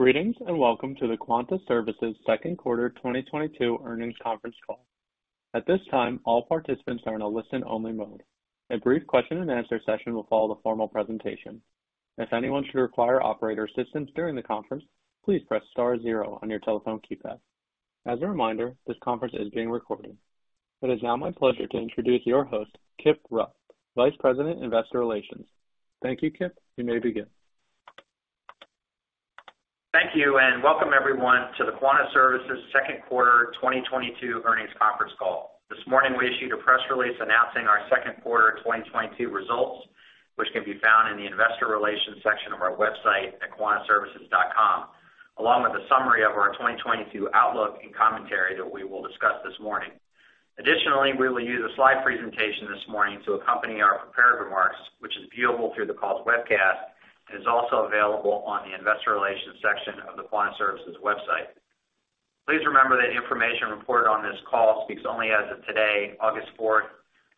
Greetings, and welcome to the Quanta Services Q2 2022 Earnings Conference Call. At this time, all participants are in a listen-only mode. A brief question and answer session will follow the formal presentation. If anyone should require operator assistance during the conference, please press star zero on your telephone keypad. As a reminder, this conference is being recorded. It is now my pleasure to introduce your host, Kip Rupp, Vice President, Investor Relations. Thank you, Kip. You may begin. Thank you, and welcome everyone to the Quanta Services Q2 2022 Earnings Conference Call. This morning, we issued a press release announcing our Q2 2022 results, which can be found in the investor relations section of our website at quantaservices.com, along with a summary of our 2022 outlook and commentary that we will discuss this morning. Additionally, we will use a slide presentation this morning to accompany our prepared remarks, which is viewable through the call's webcast and is also available on the investor relations section of the Quanta Services website. Please remember that information reported on this call speaks only as of today, August 4th,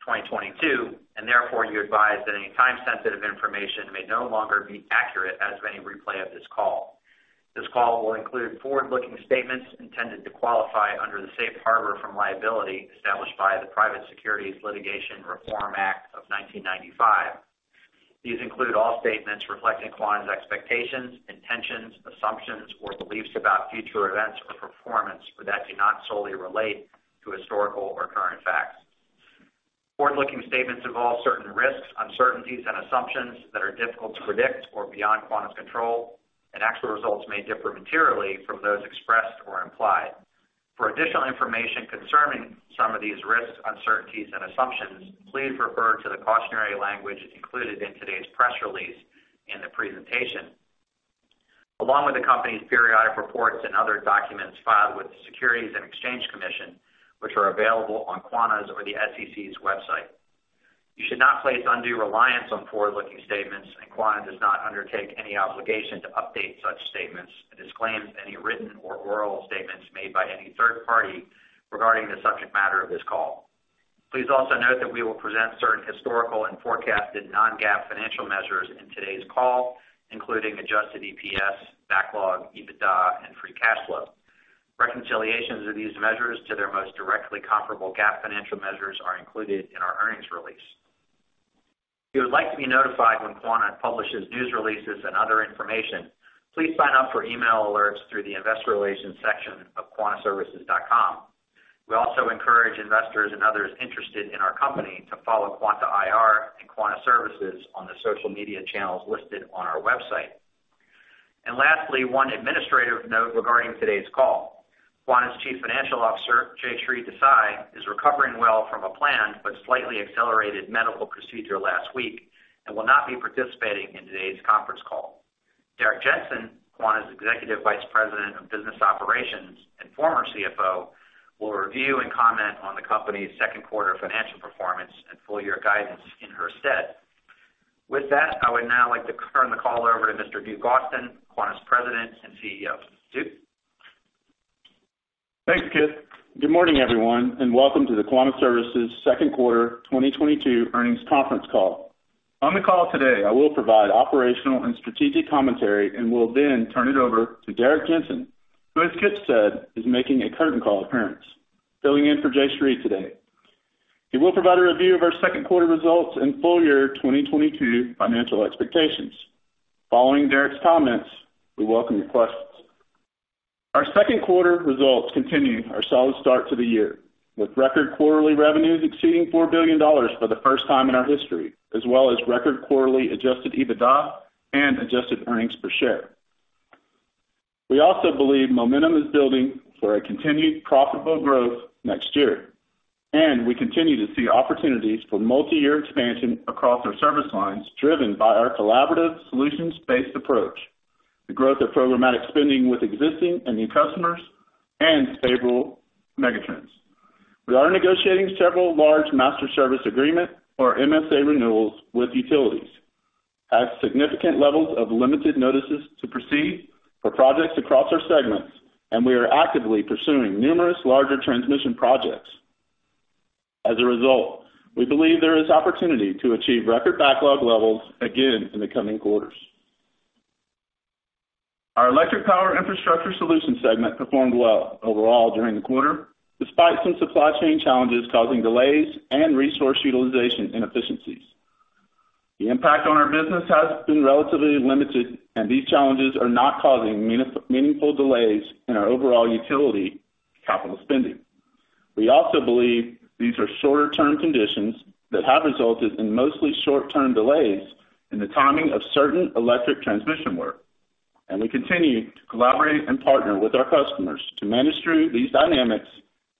2022, and therefore you're advised that any time-sensitive information may no longer be accurate as of any replay of this call. This call will include forward-looking statements intended to qualify under the safe harbor from liability established by the Private Securities Litigation Reform Act of 1995. These include all statements reflecting Quanta's expectations, intentions, assumptions, or beliefs about future events or performance, but that do not solely relate to historical or current facts. Forward-looking statements involve certain risks, uncertainties, and assumptions that are difficult to predict or beyond Quanta's control and actual results may differ materially from those expressed or implied. For additional information concerning some of these risks, uncertainties, and assumptions, please refer to the cautionary language included in today's press release in the presentation. Along with the company's periodic reports and other documents filed with the Securities and Exchange Commission, which are available on Quanta's or the SEC's website. You should not place undue reliance on forward-looking statements, and Quanta does not undertake any obligation to update such statements and disclaims any written or oral statements made by any third party regarding the subject matter of this call. Please also note that we will present certain historical and forecasted non-GAAP financial measures in today's call, including adjusted EPS, backlog, EBITDA, and free cash flow. Reconciliations of these measures to their most directly comparable GAAP financial measures are included in our earnings release. If you would like to be notified when Quanta publishes news releases and other information, please sign up for email alerts through the investor relations section of quantaservices.com. We also encourage investors and others interested in our company to follow Quanta IR and Quanta Services on the social media channels listed on our website. Lastly, one administrative note regarding today's call. Quanta's Chief Financial Officer, Jayshree Desai, is recovering well from a planned but slightly accelerated medical procedure last week and will not be participating in today's conference call. Derrick Jensen, Quanta's Executive Vice President of Business Operations and former CFO, will review and comment on the company's Q2 financial performance and full year guidance in her stead. With that, I would now like to turn the call over to Mr. Duke Austin, Quanta's President and CEO. Duke? Thanks, Kip. Good morning, everyone, and welcome to the Quanta Services Q2 2022 Earnings Conference Call. On the call today, I will provide operational and strategic commentary and will then turn it over to Derrick Jensen, who as Kip said, is making a curtain call appearance, filling in for Jayshree today. He will provide a review of our Q2 results and full year 2022 financial expectations. Following Derrick's comments, we welcome your questions. Our Q2 results continue our solid start to the year, with record quarterly revenues exceeding $4 billion for the first time in our history, as well as record quarterly adjusted EBITDA and adjusted earnings per share. We also believe momentum is building for a continued profitable growth next year, and we continue to see opportunities for multi-year expansion across our service lines, driven by our collaborative solutions-based approach, the growth of programmatic spending with existing and new customers, and stable megatrends. We are negotiating several large master service agreements or MSA renewals with utilities, have significant levels of limited notices to proceed for projects across our segments, and we are actively pursuing numerous larger transmission projects. As a result, we believe there is opportunity to achieve record backlog levels again in the coming quarters. Our electric power infrastructure solutions segment performed well overall during the quarter, despite some supply chain challenges causing delays and resource utilization inefficiencies. The impact on our business has been relatively limited and these challenges are not causing meaningful delays in our overall utility capital spending. We also believe these are shorter term conditions that have resulted in mostly short-term delays in the timing of certain electric transmission work. We continue to collaborate and partner with our customers to manage through these dynamics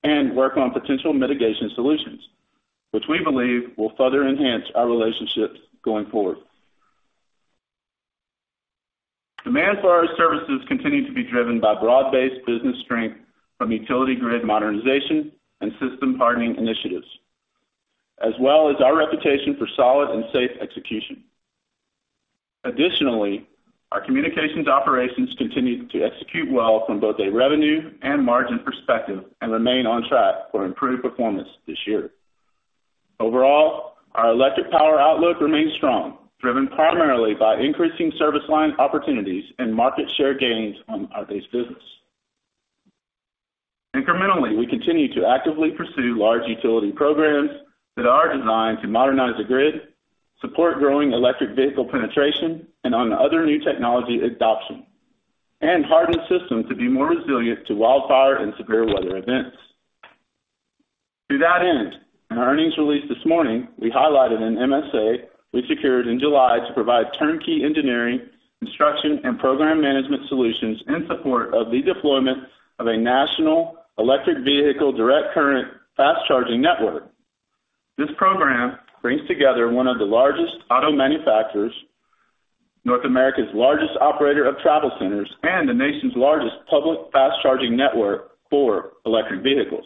and work on potential mitigation solutions, which we believe will further enhance our relationships going forward. Demand for our services continue to be driven by broad-based business strength from utility grid modernization and system hardening initiatives, as well as our reputation for solid and safe execution. Additionally, our communications operations continue to execute well from both a revenue and margin perspective and remain on track for improved performance this year. Overall, our electric power outlook remains strong, driven primarily by increasing service line opportunities and market share gains on our base business. Incrementally, we continue to actively pursue large utility programs that are designed to modernize the grid, support growing electric vehicle penetration, and other new technology adoption, and harden systems to be more resilient to wildfire and severe weather events. To that end, in our earnings release this morning, we highlighted an MSA we secured in July to provide turnkey engineering, construction, and program management solutions in support of the deployment of a national electric vehicle direct current fast-charging network. This program brings together one of the largest auto manufacturers, North America's largest operator of travel centers, and the nation's largest public fast charging network for electric vehicles.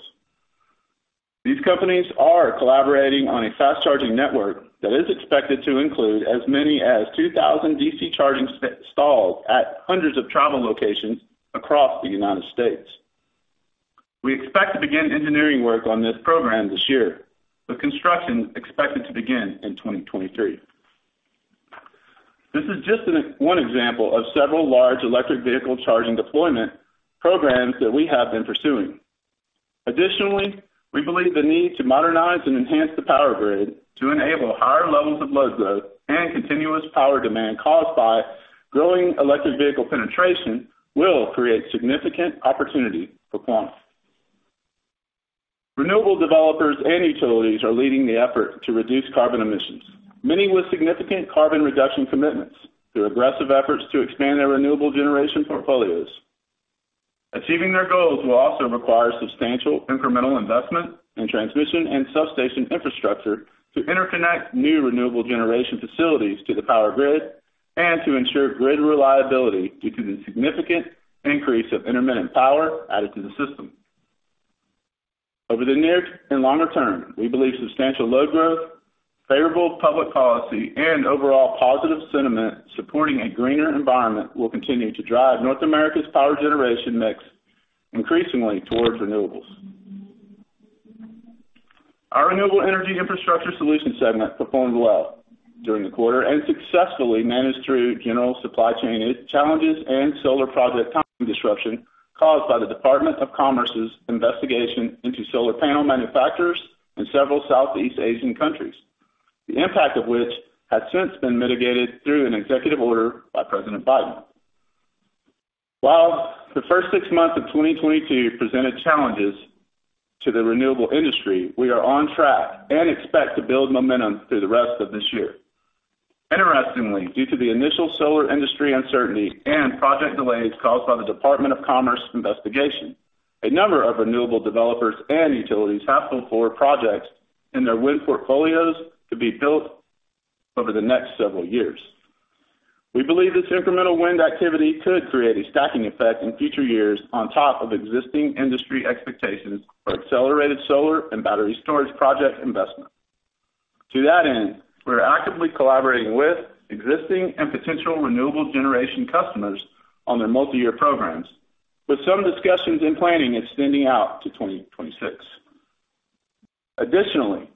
These companies are collaborating on a fast-charging network that is expected to include as many as 2,000 DC charging stalls at hundreds of travel locations across the United States. We expect to begin engineering work on this program this year, with construction expected to begin in 2023. This is just one example of several large electric vehicle charging deployment programs that we have been pursuing. Additionally, we believe the need to modernize and enhance the power grid to enable higher levels of load growth and continuous power demand caused by growing electric vehicle penetration will create significant opportunity for Quanta. Renewable developers and utilities are leading the effort to reduce carbon emissions, many with significant carbon reduction commitments through aggressive efforts to expand their renewable generation portfolios. Achieving their goals will also require substantial incremental investment in transmission and substation infrastructure to interconnect new renewable generation facilities to the power grid and to ensure grid reliability due to the significant increase of intermittent power added to the system. Over the near and longer term, we believe substantial load growth, favorable public policy, and overall positive sentiment supporting a greener environment will continue to drive North America's power generation mix increasingly towards renewables. Our Renewable Energy Infrastructure Solution segment performed well during the quarter and successfully managed through general supply chain challenges and solar project timing disruption caused by the Department of Commerce's investigation into solar panel manufacturers in several Southeast Asian countries, the impact of which has since been mitigated through an executive order by President Biden. While the first six months of 2022 presented challenges to the renewable industry, we are on track and expect to build momentum through the rest of this year. Interestingly, due to the initial solar industry uncertainty and project delays caused by the Department of Commerce investigation, a number of renewable developers and utilities have moved forward projects in their wind portfolios to be built over the next several years. We believe this incremental wind activity could create a stacking effect in future years on top of existing industry expectations for accelerated solar and battery storage project investment. To that end, we're actively collaborating with existing and potential renewable generation customers on their multiyear programs, with some discussions and planning extending out to 2026. Additionally,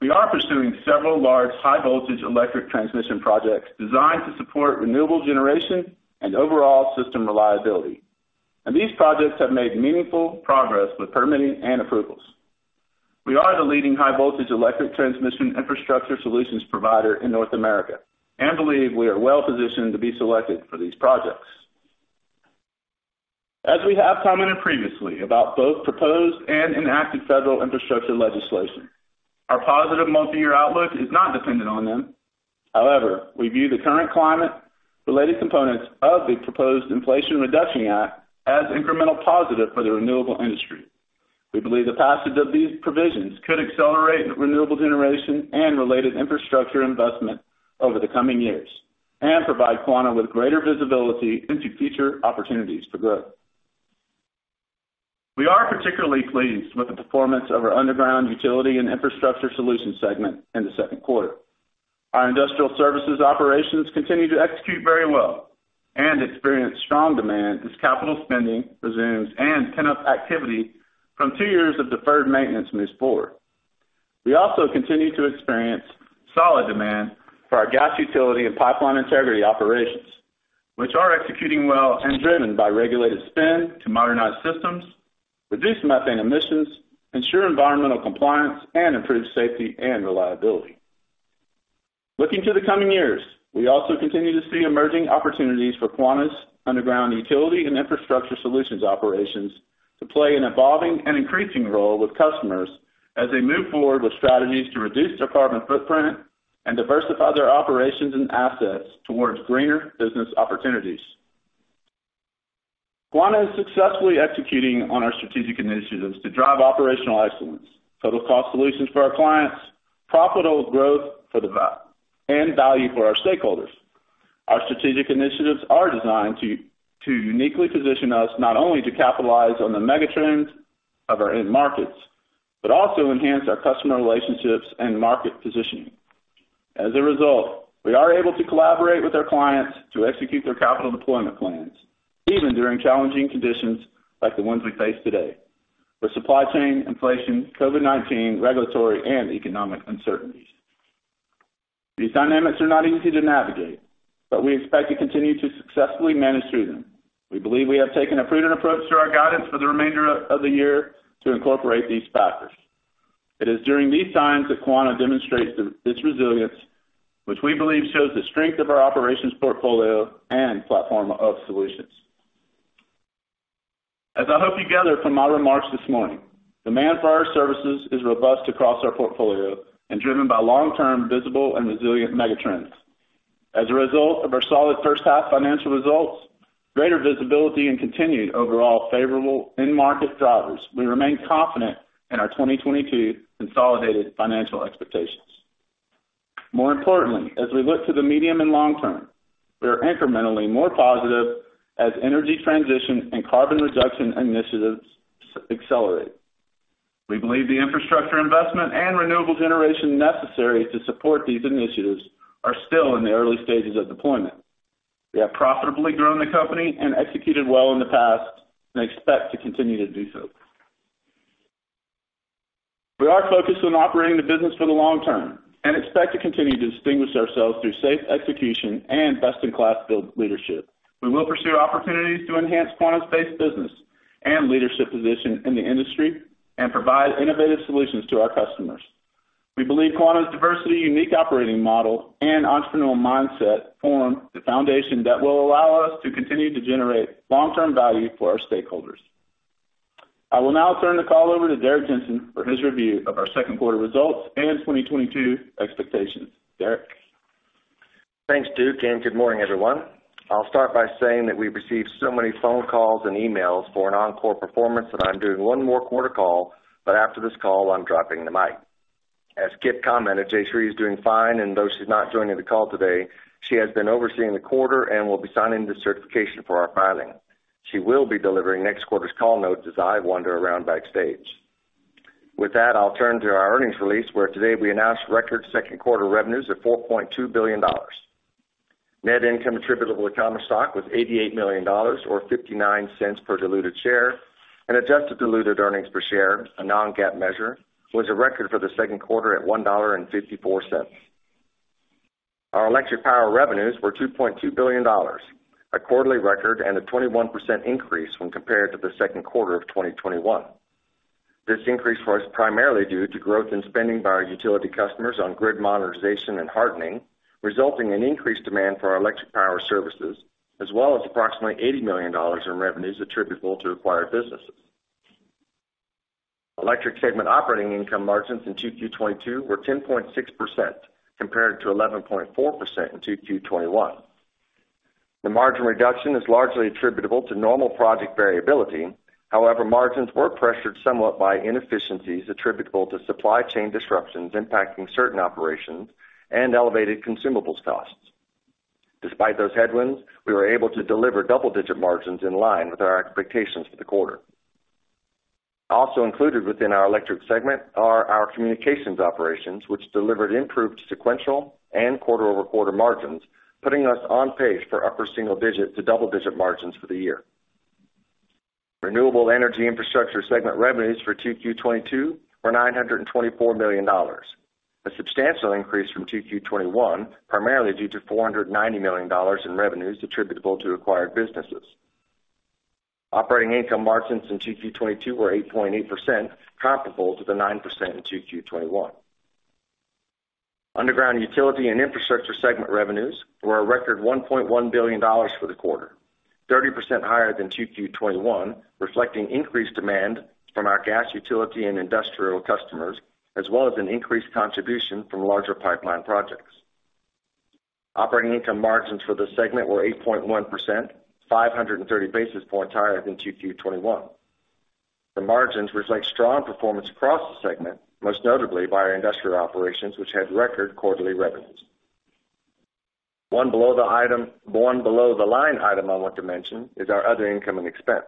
we are pursuing several large high-voltage electric transmission projects designed to support renewable generation and overall system reliability, and these projects have made meaningful progress with permitting and approvals. We are the leading high-voltage electric transmission infrastructure solutions provider in North America and believe we are well-positioned to be selected for these projects. As we have commented previously about both proposed and enacted federal infrastructure legislation, our positive multiyear outlook is not dependent on them. However, we view the current climate-related components of the proposed Inflation Reduction Act as incremental positive for the renewable industry. We believe the passage of these provisions could accelerate renewable generation and related infrastructure investment over the coming years and provide Quanta with greater visibility into future opportunities for growth. We are particularly pleased with the performance of our underground utility and infrastructure solutions segment in Q2. Our industrial services operations continue to execute very well and experience strong demand as capital spending resumes and pent-up activity from two years of deferred maintenance moves forward. We also continue to experience solid demand for our gas utility and pipeline integrity operations, which are executing well and driven by regulated spend to modernize systems, reduce methane emissions, ensure environmental compliance, and improve safety and reliability. Looking to the coming years, we also continue to see emerging opportunities for Quanta's underground utility and infrastructure solutions operations to play an evolving and increasing role with customers as they move forward with strategies to reduce their carbon footprint and diversify their operations and assets towards greener business opportunities. Quanta is successfully executing on our strategic initiatives to drive operational excellence, total cost solutions for our clients, profitable growth and value for our stakeholders. Our strategic initiatives are designed to uniquely position us not only to capitalize on the mega-trends of our end markets, but also enhance our customer relationships and market positioning. As a result, we are able to collaborate with our clients to execute their capital deployment plans, even during challenging conditions like the ones we face today, with supply chain inflation, COVID-19, regulatory, and economic uncertainties. These dynamics are not easy to navigate, but we expect to continue to successfully manage through them. We believe we have taken a prudent approach to our guidance for the remainder of the year to incorporate these factors. It is during these times that Quanta demonstrates its resilience, which we believe shows the strength of our operations portfolio and platform of solutions. As I hope you gathered from my remarks this morning, demand for our services is robust across our portfolio and driven by long-term visible and resilient megatrends. As a result of our solid first half financial results, greater visibility and continued overall favorable end market drivers, we remain confident in our 2022 consolidated financial expectations. More importantly, as we look to the medium and long-term, we are incrementally more positive as energy transition and carbon reduction initiatives accelerate. We believe the infrastructure investment and renewable generation necessary to support these initiatives are still in the early stages of deployment. We have profitably grown the company and executed well in the past and expect to continue to do so. We are focused on operating the business for the long-term and expect to continue to distinguish ourselves through safe execution and best-in-class field leadership. We will pursue opportunities to enhance Quanta's base business and leadership position in the industry and provide innovative solutions to our customers. We believe Quanta's diversity, unique operating model, and entrepreneurial mindset form the foundation that will allow us to continue to generate long-term value for our stakeholders. I will now turn the call over toDerrick Jensen for his review of our Q2 results and 2022 expectations. Derrick? Thanks, Duke, and good morning, everyone. I'll start by saying that we've received so many phone calls and emails for an encore performance that I'm doing one more quarter call, but after this call, I'm dropping the mic. As Kip commented, Jayshree is doing fine, and though she's not joining the call today, she has been overseeing the quarter and will be signing the certification for our filing. She will be delivering next quarter's call notes as I wander around backstage. With that, I'll turn to our earnings release, where today we announced record Q2 revenues of $4.2 billion. Net income attributable to common stock was $88 million or $0.59 per diluted share, and adjusted diluted earnings per share, a non-GAAP measure, was a record for Q2 at $1.54. Our electric power revenues were $2.2 billion, a quarterly record and a 21% increase when compared to Q2 of 2021. This increase was primarily due to growth in spending by our utility customers on grid modernization and hardening, resulting in increased demand for our electric power services, as well as approximately $80 million in revenues attributable to acquired businesses. Electric segment operating income margins in 2Q 2022 were 10.6% compared to 11.4% in 2Q 2021. The margin reduction is largely attributable to normal project variability. However, margins were pressured somewhat by inefficiencies attributable to supply chain disruptions impacting certain operations and elevated consumables costs. Despite those headwinds, we were able to deliver double-digit margins in line with our expectations for the quarter. Also included within our electric segment are our communications operations, which delivered improved sequential and quarter-over-quarter margins, putting us on pace for upper single-digit to double-digit margins for the year. Renewable energy infrastructure segment revenues for 2Q 2022 were $924 million, a substantial increase from 2Q 2021, primarily due to $490 million in revenues attributable to acquired businesses. Operating income margins in 2Q 2022 were 8.8%, comparable to the 9% in 2Q 2021. Underground utility and infrastructure segment revenues were a record $1.1 billion for the quarter, 30% higher than 2Q 2021, reflecting increased demand from our gas utility and industrial customers, as well as an increased contribution from larger pipeline projects. Operating income margins for the segment were 8.1%, 530 basis points higher than 2Q 2021. The margins reflect strong performance across the segment, most notably by our industrial operations, which had record quarterly revenues. One below the line item I want to mention is our other income and expense.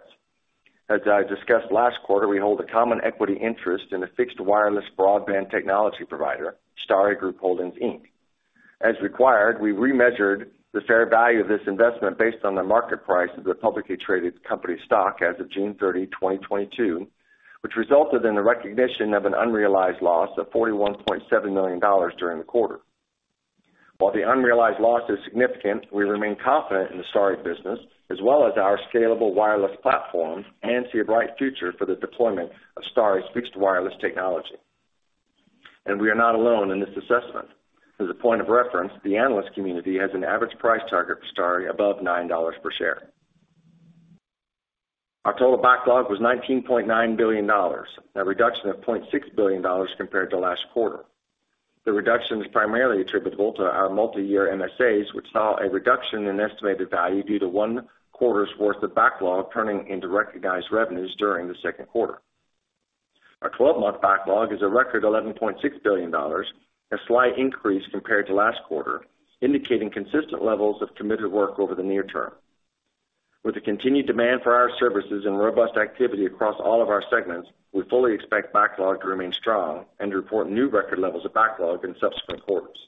As I discussed last quarter, we hold a common equity interest in a fixed wireless broadband technology provider, Starry Group Holdings, Inc. As required, we remeasured the fair value of this investment based on the market price of the publicly traded company stock as of June 30, 2022, which resulted in the recognition of an unrealized loss of $41.7 million during the quarter. While the unrealized loss is significant, we remain confident in the Starry business as well as our scalable wireless platform and see a bright future for the deployment of Starry's fixed wireless technology. We are not alone in this assessment. As a point of reference, the analyst community has an average price target for Starry above $9 per share. Our total backlog was $19.9 billion, a reduction of $0.6 billion compared to last quarter. The reduction is primarily attributable to our multiyear MSAs, which saw a reduction in estimated value due to one quarter's worth of backlog turning into recognized revenues during Q2. Our 12-month backlog is a record $11.6 billion, a slight increase compared to last quarter, indicating consistent levels of committed work over the near-term. With the continued demand for our services and robust activity across all of our segments, we fully expect backlog to remain strong and to report new record levels of backlog in subsequent quarters.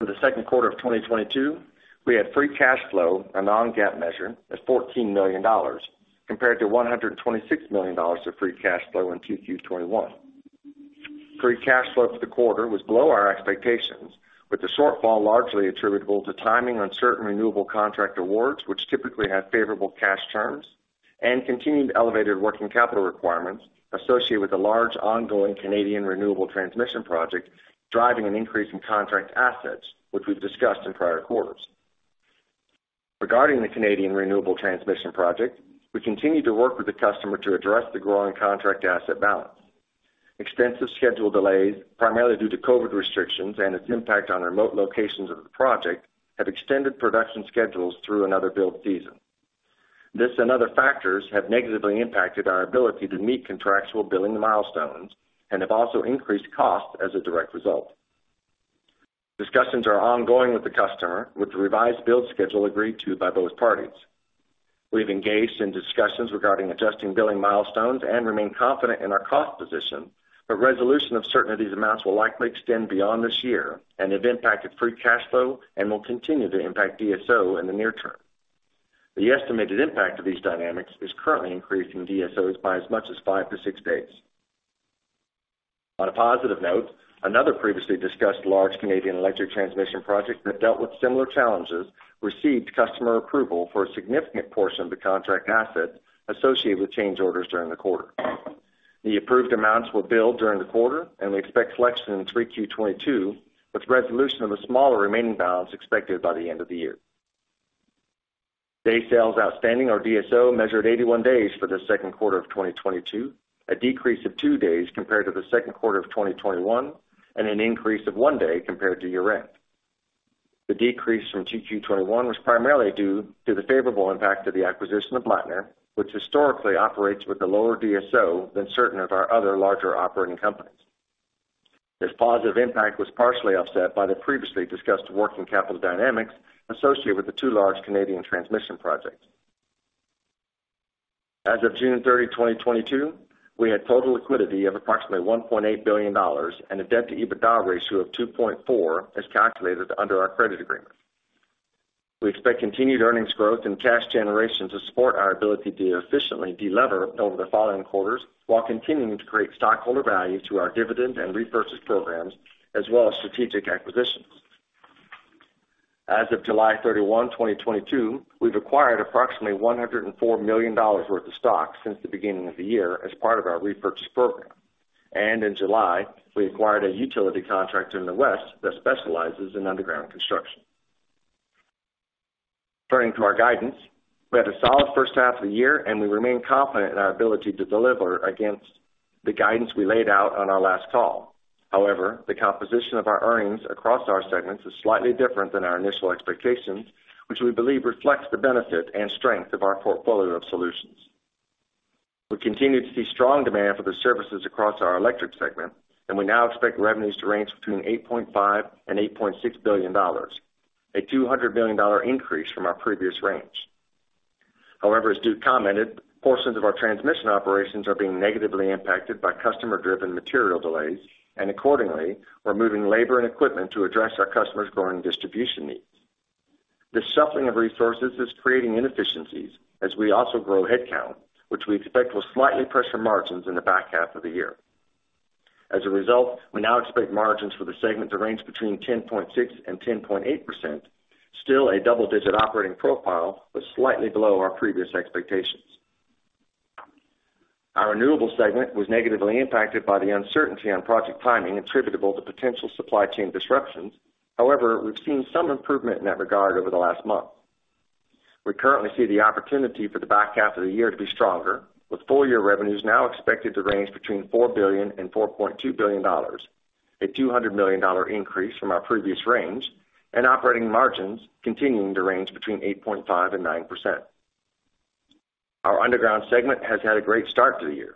For Q2 of 2022, we had free cash flow, a non-GAAP measure, as $14 million compared to $126 million of free cash flow in 2Q 2021. Free cash flow for the quarter was below our expectations, with the shortfall largely attributable to timing on certain renewable contract awards, which typically have favorable cash terms, and continued elevated working capital requirements associated with the large ongoing Canadian renewable transmission project, driving an increase in contract assets, which we've discussed in prior quarters. Regarding the Canadian renewable transmission project, we continue to work with the customer to address the growing contract asset balance. Extensive schedule delays, primarily due to COVID restrictions and its impact on remote locations of the project, have extended production schedules through another build season. This and other factors have negatively impacted our ability to meet contractual billing milestones and have also increased costs as a direct result. Discussions are ongoing with the customer, with the revised build schedule agreed to by both parties. We have engaged in discussions regarding adjusting billing milestones and remain confident in our cost position, but resolution of certain of these amounts will likely extend beyond this year and have impacted free cash flow and will continue to impact DSO in the near-term. The estimated impact of these dynamics is currently increasing DSOs by as much as five to six days. On a positive note, another previously discussed large Canadian electric transmission project that dealt with similar challenges received customer approval for a significant portion of the contract asset associated with change orders during the quarter. The approved amounts were billed during the quarter, and we expect collection in 3Q 2022, with resolution of a smaller remaining balance expected by the end of the year. Days sales outstanding, or DSO, measured 81 days for Q2 of 2022, a decrease of two days compared to Q2 of 2021, and an increase of one day compared to year-end. The decrease from 2Q 2021 was primarily due to the favorable impact of the acquisition of Blattner, which historically operates with a lower DSO than certain of our other larger operating companies. This positive impact was partially offset by the previously discussed working capital dynamics associated with the two large Canadian transmission projects. As of June 30, 2022, we had total liquidity of approximately $1.8 billion and a debt-to-EBITDA ratio of 2.4 as calculated under our credit agreement. We expect continued earnings growth and cash generation to support our ability to efficiently deleverage over the following quarters while continuing to create stockholder value through our dividend and repurchase programs as well as strategic acquisitions. As of July 31, 2022, we've acquired approximately $104 million worth of stock since the beginning of the year as part of our repurchase program. In July, we acquired a utility contractor in the West that specializes in underground construction. Turning to our guidance, we had a solid first half of the year, and we remain confident in our ability to deliver against the guidance we laid out on our last call. However, the composition of our earnings across our segments is slightly different than our initial expectations, which we believe reflects the benefit and strength of our portfolio of solutions. We continue to see strong demand for the services across our electric segment, and we now expect revenues to range between $8.5 billion and $8.6 billion, a $200 million increase from our previous range. However, as Duke commented, portions of our transmission operations are being negatively impacted by customer-driven material delays, and accordingly, we're moving labor and equipment to address our customers' growing distribution needs. This shuffling of resources is creating inefficiencies as we also grow headcount, which we expect will slightly pressure margins in the back half of the year. As a result, we now expect margins for the segment to range between 10.6%-10.8%, still a double-digit operating profile, but slightly below our previous expectations. Our renewable segment was negatively impacted by the uncertainty on project timing attributable to potential supply chain disruptions. However, we've seen some improvement in that regard over the last month. We currently see the opportunity for the back half of the year to be stronger, with full-year revenues now expected to range between $4 billion-$4.2 billion, a $200 million increase from our previous range, and operating margins continuing to range between 8.5%-9%. Our underground segment has had a great start to the year.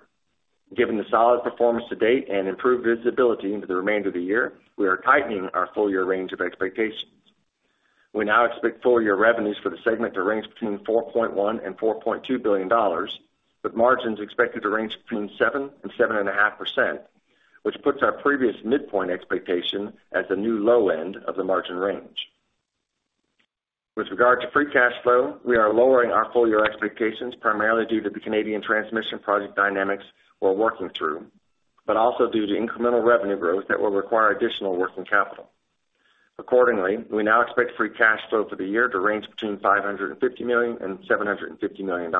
Given the solid performance to date and improved visibility into the remainder of the year, we are tightening our full-year range of expectations. We now expect full-year revenues for the segment to range between $4.1 billion and $4.2 billion, with margins expected to range between 7% and 7.5%, which puts our previous midpoint expectation as the new low end of the margin range. With regard to free cash flow, we are lowering our full-year expectations primarily due to the Canadian transmission project dynamics we're working through, but also due to incremental revenue growth that will require additional working capital. Accordingly, we now expect free cash flow for the year to range between $550 million and $750 million.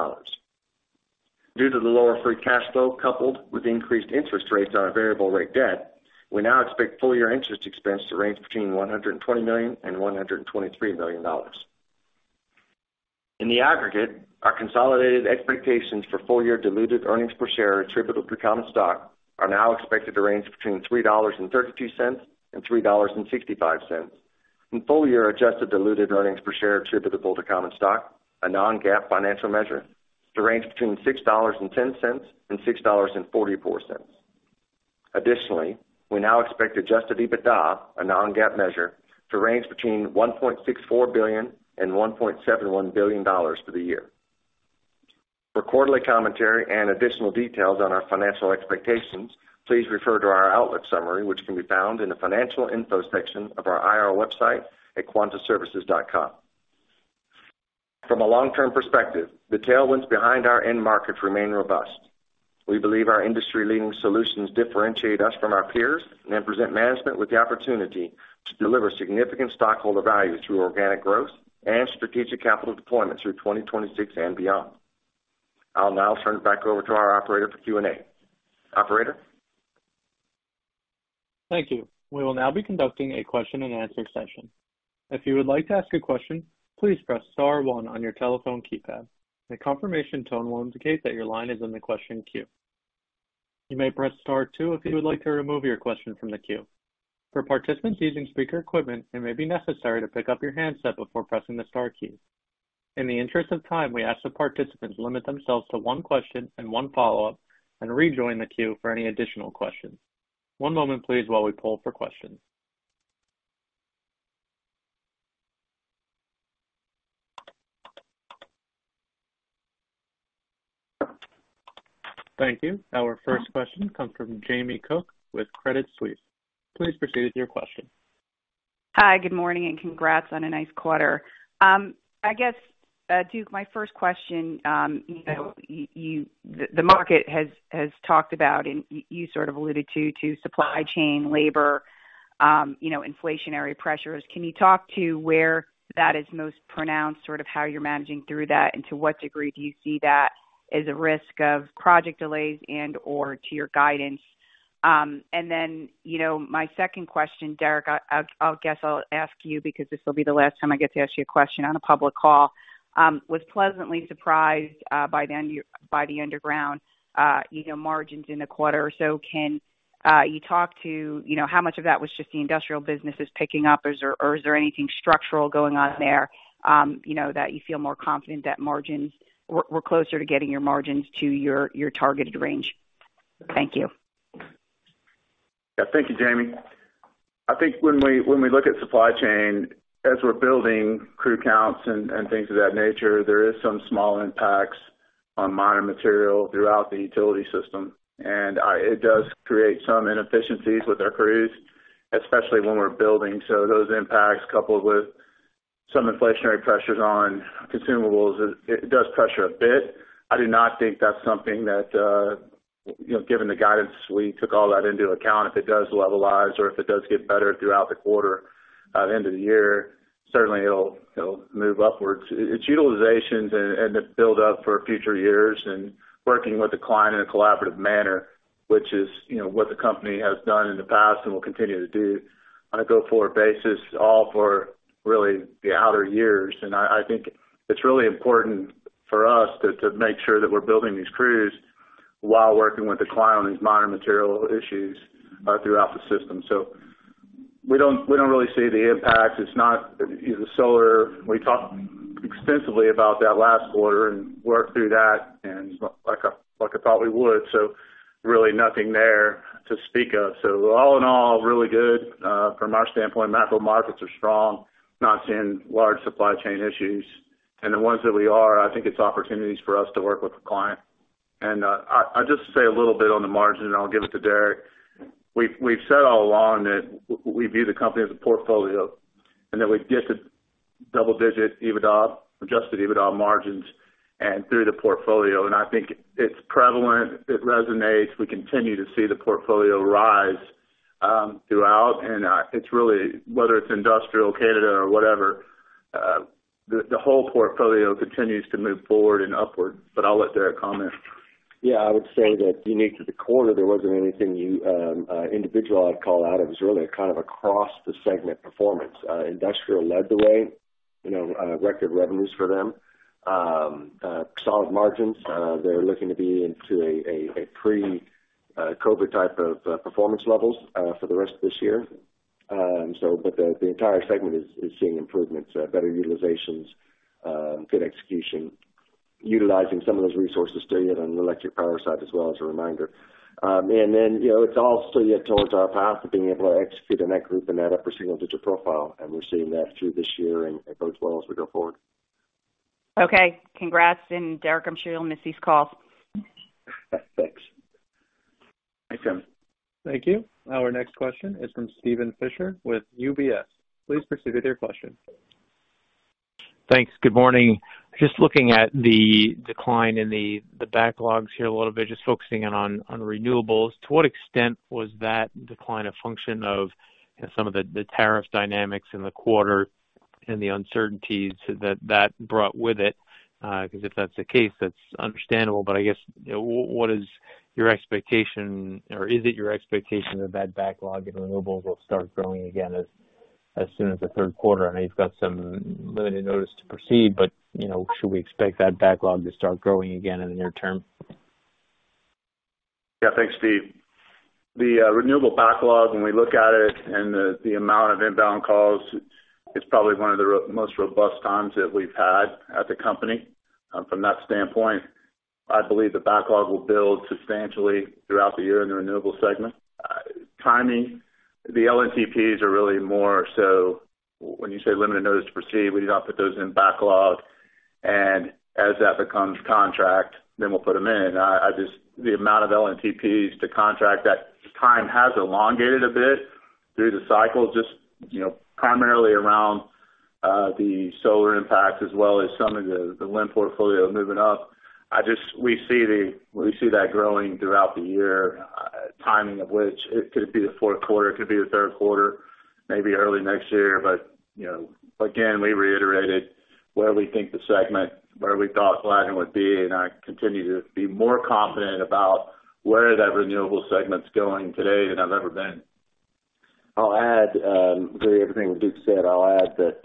Due to the lower free cash flow coupled with increased interest rates on our variable rate debt, we now expect full-year interest expense to range between $120 million and $123 million. In the aggregate, our consolidated expectations for full-year diluted earnings per share attributable to common stock are now expected to range between $3.32 and $3.65, and full-year adjusted diluted earnings per share attributable to common stock, a non-GAAP financial measure, to range between $6.10 and $6.44. Additionally, we now expect adjusted EBITDA, a non-GAAP measure, to range between $1.64 billion and $1.71 billion for the year. For quarterly commentary and additional details on our financial expectations, please refer to our outlook summary, which can be found in the Financial Info section of our IR website at quantaservices.com. From a long-term perspective, the tailwinds behind our end market remain robust. We believe our industry-leading solutions differentiate us from our peers and present management with the opportunity to deliver significant stockholder value through organic growth and strategic capital deployment through 2026 and beyond. I'll now turn it back over to our operator for Q&A. Operator? Thank you. We will now be conducting a question-and-answer session. If you would like to ask a question, please press star one on your telephone keypad. A confirmation tone will indicate that your line is in the question queue. You may press star two if you would like to remove your question from the queue. For participants using speaker equipment, it may be necessary to pick up your handset before pressing the star key. In the interest of time, we ask that participants limit themselves to one question and one follow-up and rejoin the queue for any additional questions. One moment, please, while we poll for questions. Thank you. Our first question comes from Jamie Cook with Credit Suisse. Please proceed with your question. Hi, good morning and congrats on a nice quarter. I guess, Duke, my first question, you know, the market has talked about, and you sort of alluded to, supply chain labor, you know, inflationary pressures. Can you talk to where that is most pronounced, sort of how you're managing through that, and to what degree do you see that as a risk of project delays and/or to your guidance? And then, you know, my second question, Derrick, I'll guess I'll ask you because this will be the last time I get to ask you a question on a public call. Was pleasantly surprised by the underground, you know, margins in the quarter. Can you talk about, you know, how much of that was just the industrial businesses picking up, or is there anything structural going on there, you know, that you feel more confident that margins we're closer to getting your margins to your targeted range? Thank you. Yeah. Thank you, Jamie. I think when we look at supply chain, as we're building crew counts and things of that nature, there is some small impacts on minor material throughout the utility system. It does create some inefficiencies with our crews, especially when we're building. Those impacts, coupled with some inflationary pressures on consumables, it does pressure a bit. I do not think that's something that, you know, given the guidance, we took all that into account. If it does levelize or if it does get better throughout the quarter, the end of the year, certainly it'll move upwards. It's utilizations and the build up for future years and working with the client in a collaborative manner, which is, you know, what the company has done in the past and will continue to do on a go-forward basis, all for really the outer years. I think it's really important for us to make sure that we're building these crews while working with the client on these minor material issues throughout the system. We don't really see the impacts. It's not, you know, solar. We talked extensively about that last quarter and worked through that and like I thought we would. Really nothing there to speak of. All in all, really good from our standpoint. Macro markets are strong, not seeing large supply chain issues. The ones that we are, I think it's opportunities for us to work with the client. I just say a little bit on the margin, and I'll give it toDerrick. We've said all along that we view the company as a portfolio and that we get to double-digit EBITDA, adjusted EBITDA margins and through the portfolio, and I think it's prevalent, it resonates. We continue to see the portfolio rise throughout. It's really whether it's industrial, Canada or whatever, the whole portfolio continues to move forward and upward, but I'll letDerrick comment. Yeah. I would say that unique to the quarter, there wasn't anything individual I'd call out. It was really a kind of across the segment performance. Industrial led the way, you know, record revenues for them. Solid margins. They're looking to be into a pre-COVID type of performance levels for the rest of this year. But the entire segment is seeing improvements, better utilizations, good execution, utilizing some of those resources still yet on the electric power side as well as a reminder. You know, it's all still yet towards our path of being able to execute in that group in that upper single-digit profile, and we're seeing that through this year and it bodes well as we go forward. Okay. Congrats. Derrick, I'm sure you'll miss these calls. Thanks. Thanks, Jamie. Thank you. Our next question is from Steven Fisher with UBS. Please proceed with your question. Thanks. Good morning. Just looking at the decline in the backlogs here a little bit, just focusing in on renewables. To what extent was that decline a function of, you know, some of the tariff dynamics in the quarter and the uncertainties that that brought with it? Because if that's the case, that's understandable. I guess, what is your expectation or is it your expectation that that backlog in renewables will start growing again as soon as Q3? I know you've got some limited notice to proceed, but, you know, should we expect that backlog to start growing again in the near-term? Yeah. Thanks, Steve. The renewable backlog, when we look at it and the amount of inbound calls, it's probably one of the most robust times that we've had at the company. From that standpoint, I believe the backlog will build substantially throughout the year in the renewable segment. Timing, the LNTPs are really more so when you say limited notice to proceed, we do not put those in backlog. As that becomes contract, then we'll put them in. I just. The amount of LNTPs to contract that time has elongated a bit through the cycle, just, you know, primarily around the solar impact as well as some of the wind portfolio moving up. We see that growing throughout the year, timing of which it could be Q4, it could be Q3, maybe early next year. You know, again, we reiterated where we think the segment, where we thought Blattner would be, and I continue to be more confident about where that renewable segment's going today than I've ever been. I'll add to everything that Duke said, I'll add that,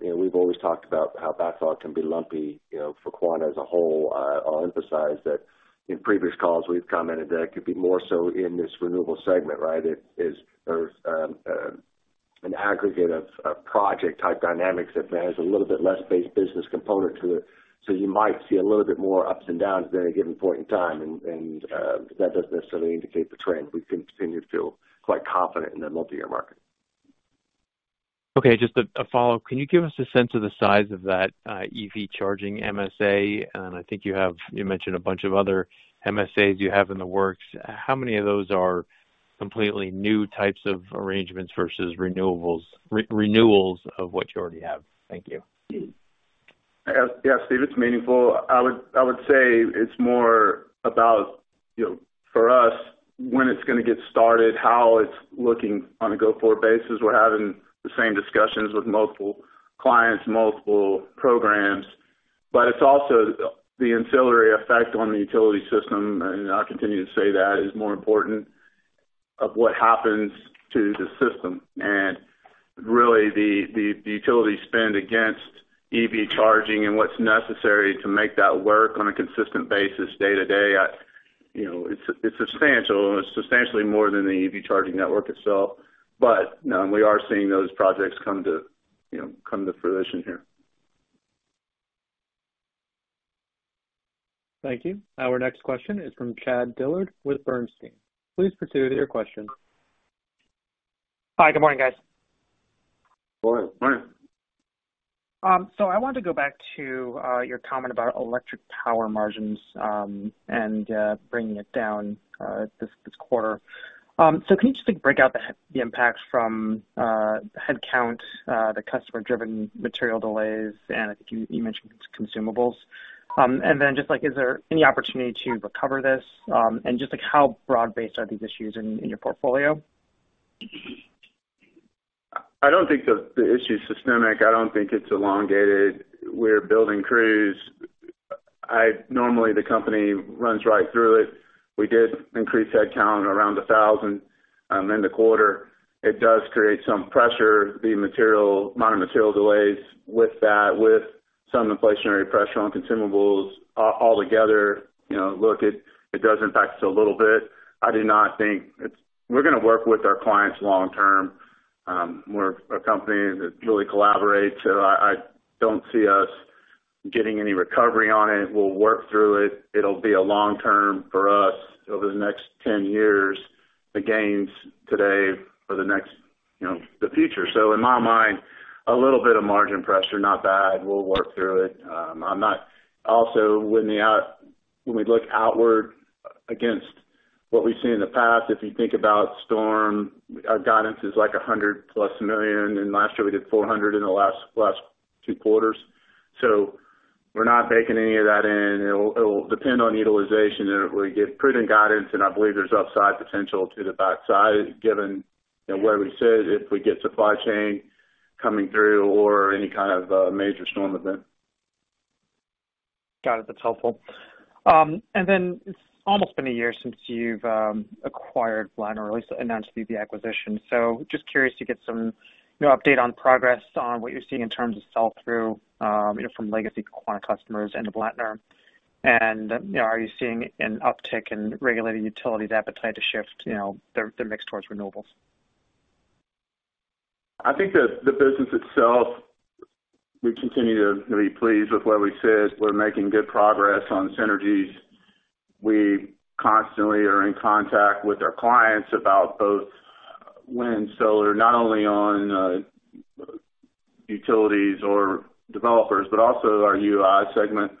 you know, we've always talked about how backlog can be lumpy, you know, for Quanta as a whole. I'll emphasize that in previous calls, we've commented that it could be more so in this renewable segment, right? It is an aggregate of project-type dynamics that there's a little bit less base business component to it. So you might see a little bit more ups and downs at any given point in time, and that doesn't necessarily indicate the trend. We continue to feel quite confident in the multi-year market. Okay. Just a follow-up. Can you give us a sense of the size of that EV charging MSA? And I think you mentioned a bunch of other MSAs you have in the works. How many of those are completely new types of arrangements versus renewals of what you already have? Thank you. Yeah. Yeah, Steve, it's meaningful. I would say it's more about, you know, for us, when it's gonna get started, how it's looking on a go-forward basis. We're having the same discussions with multiple clients, multiple programs. It's also the ancillary effect on the utility system, and I'll continue to say that is more important of what happens to the system. Really the utility spend against EV charging and what's necessary to make that work on a consistent basis day-to-day, you know, it's substantial and it's substantially more than the EV charging network itself. You know, we are seeing those projects come to, you know, come to fruition here. Thank you. Our next question is from Chad Dillard with Bernstein. Please proceed with your question. Hi. Good morning, guys. Good morning. Morning. I wanted to go back to your comment about electric power margins and bringing it down this quarter. Can you just like break out the impact from headcount, the customer-driven material delays, and I think you mentioned consumables? Just like, is there any opportunity to recover this? Just like how broad-based are these issues in your portfolio? I don't think the issue is systemic. I don't think it's elongated. We're building crews. Normally, the company runs right through it. We did increase headcount around 1,000 in the quarter. It does create some pressure, minor material delays with that, with some inflationary pressure on consumables. All together, you know, look, it does impact us a little bit. I do not think it's. We're gonna work with our clients long-term. We're a company that really collaborates. So I don't see us getting any recovery on it. We'll work through it. It'll be a long-term for us over the next 10 years, the gains today for the next, you know, the future. So in my mind, a little bit of margin pressure, not bad. We'll work through it. I'm not... When we look outward against what we've seen in the past, if you think about storm, our guidance is like $100 plus million, and last year we did $400 million in the last two quarters. We're not baking any of that in. It'll depend on utilization, and we give prudent guidance, and I believe there's upside potential to the back half given, you know, where we sit, if we get supply chain coming through or any kind of major storm event. Got it. That's helpful. It's almost been a year since you've acquired Blattner or at least announced the acquisition. Just curious to get some, you know, update on progress on what you're seeing in terms of sell-through, you know, from legacy Quanta customers into Blattner. You know, are you seeing an uptick in regulated utility appetite to shift, you know, their mix towards renewables? I think the business itself, we continue to be pleased with where we sit. We're making good progress on synergies. We constantly are in contact with our clients about both wind, solar, not only on utilities or developers, but also our UI segment.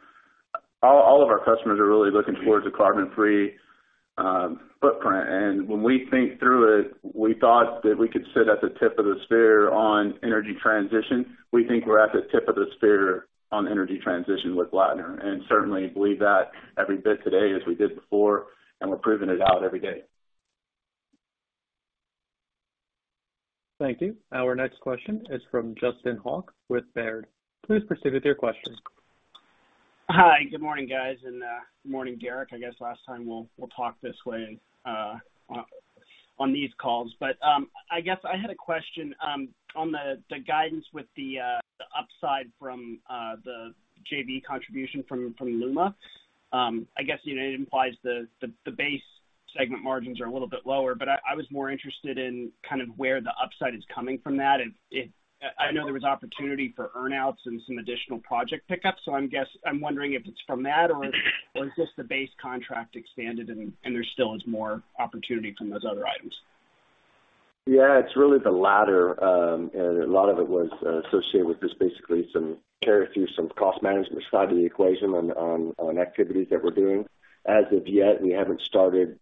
All of our customers are really looking towards a carbon free footprint. When we think through it, we thought that we could sit at the tip of the spear on energy transition. We think we're at the tip of the spear on energy transition with Blattner, and certainly believe that every bit today as we did before, and we're proving it out every day. Thank you. Our next question is from Justin Hauke with Baird. Please proceed with your question. Hi. Good morning, guys, and good morning, Derrick. I guess last time we'll talk this way on these calls. I guess I had a question on the guidance with the upside from the JV contribution from LUMA. I guess you know it implies the base Segment margins are a little bit lower, but I was more interested in kind of where the upside is coming from that. I know there was opportunity for earn-outs and some additional project pickups. I'm wondering if it's from that or is this the base contract expanded and there still is more opportunity from those other items? Yeah. It's really the latter. And a lot of it was associated with just basically some carry through some cost management side of the equation on activities that we're doing. As of yet, we haven't started,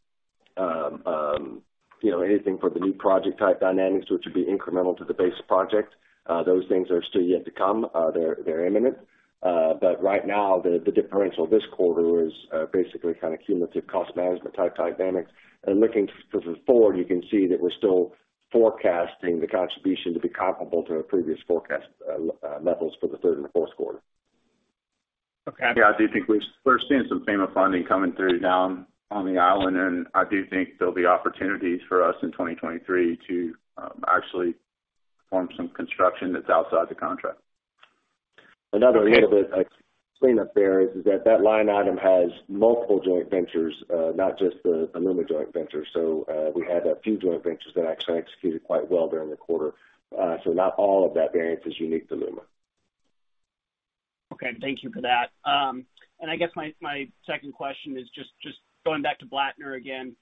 you know, anything for the new project type dynamics, which would be incremental to the base project. Those things are still yet to come. They're imminent. But right now the differential this quarter is basically kind of cumulative cost management type dynamics. Looking forward, you can see that we're still forecasting the contribution to be comparable to our previous forecast levels for Q3 and Q4. Okay. Yeah, I do think we're seeing some FEMA funding coming through down on the island, and I do think there'll be opportunities for us in 2023 to actually perform some construction that's outside the contract. Another little bit of cleanup there is that line item has multiple joint ventures, not just the LUMA joint venture. We had a few joint ventures that actually executed quite well during the quarter. Not all of that variance is unique to LUMA. Okay. Thank you for that. I guess my second question is just going back to Black & Veatch again.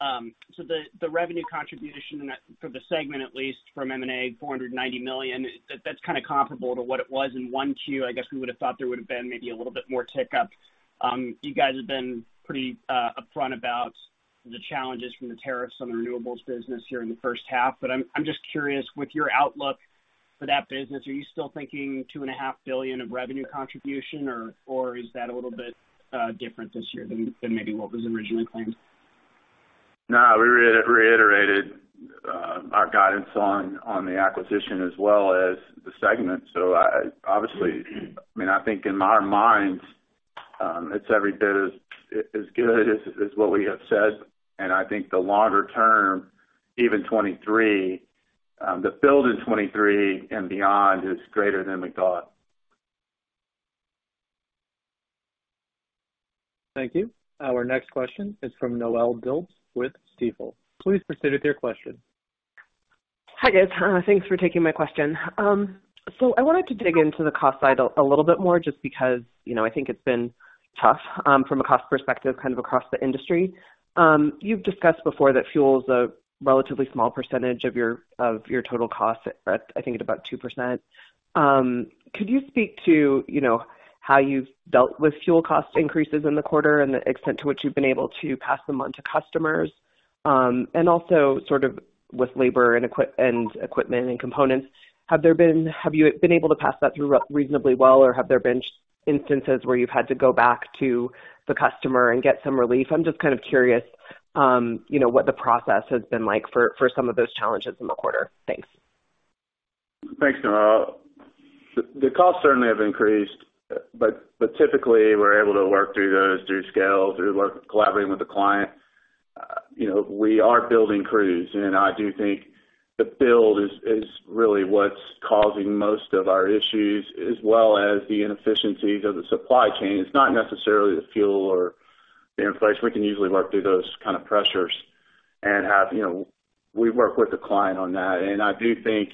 The revenue contribution in that for the segment, at least from M&A, $490 million, that's kind of comparable to what it was in Q1. I guess we would have thought there would have been maybe a little bit more tick up. You guys have been pretty upfront about the challenges from the tariffs on the renewables business here in the first half, but I'm just curious, with your outlook for that business, are you still thinking $2.5 billion of revenue contribution, or is that a little bit different this year than maybe what was originally planned? No, we reiterated our guidance on the acquisition as well as the segment. I obviously, I mean, I think in our minds, it's every bit as good as what we have said. I think the longer term, even 2023, the build in 2023 and beyond is greater than we thought. Thank you. Our next question is from Noelle Dilts with Stifel. Please proceed with your question. Hi, guys. Thanks for taking my question. I wanted to dig into the cost side a little bit more just because, you know, I think it's been tough from a cost perspective, kind of across the industry. You've discussed before that fuel is a relatively small percentage of your total cost at, I think, about 2%. Could you speak to, you know, how you've dealt with fuel cost increases in the quarter and the extent to which you've been able to pass them on to customers? Also sort of with labor and equipment and components, have you been able to pass that through reasonably well, or have there been instances where you've had to go back to the customer and get some relief? I'm just kind of curious, you know, what the process has been like for some of those challenges in the quarter? Thanks. Thanks, Noelle. The costs certainly have increased, but typically, we're able to work through those through scale, through collaborating with the client. You know, we are building crews, and I do think the build is really what's causing most of our issues, as well as the inefficiencies of the supply chain. It's not necessarily the fuel or the inflation. We can usually work through those kind of pressures. You know, we work with the client on that. I do think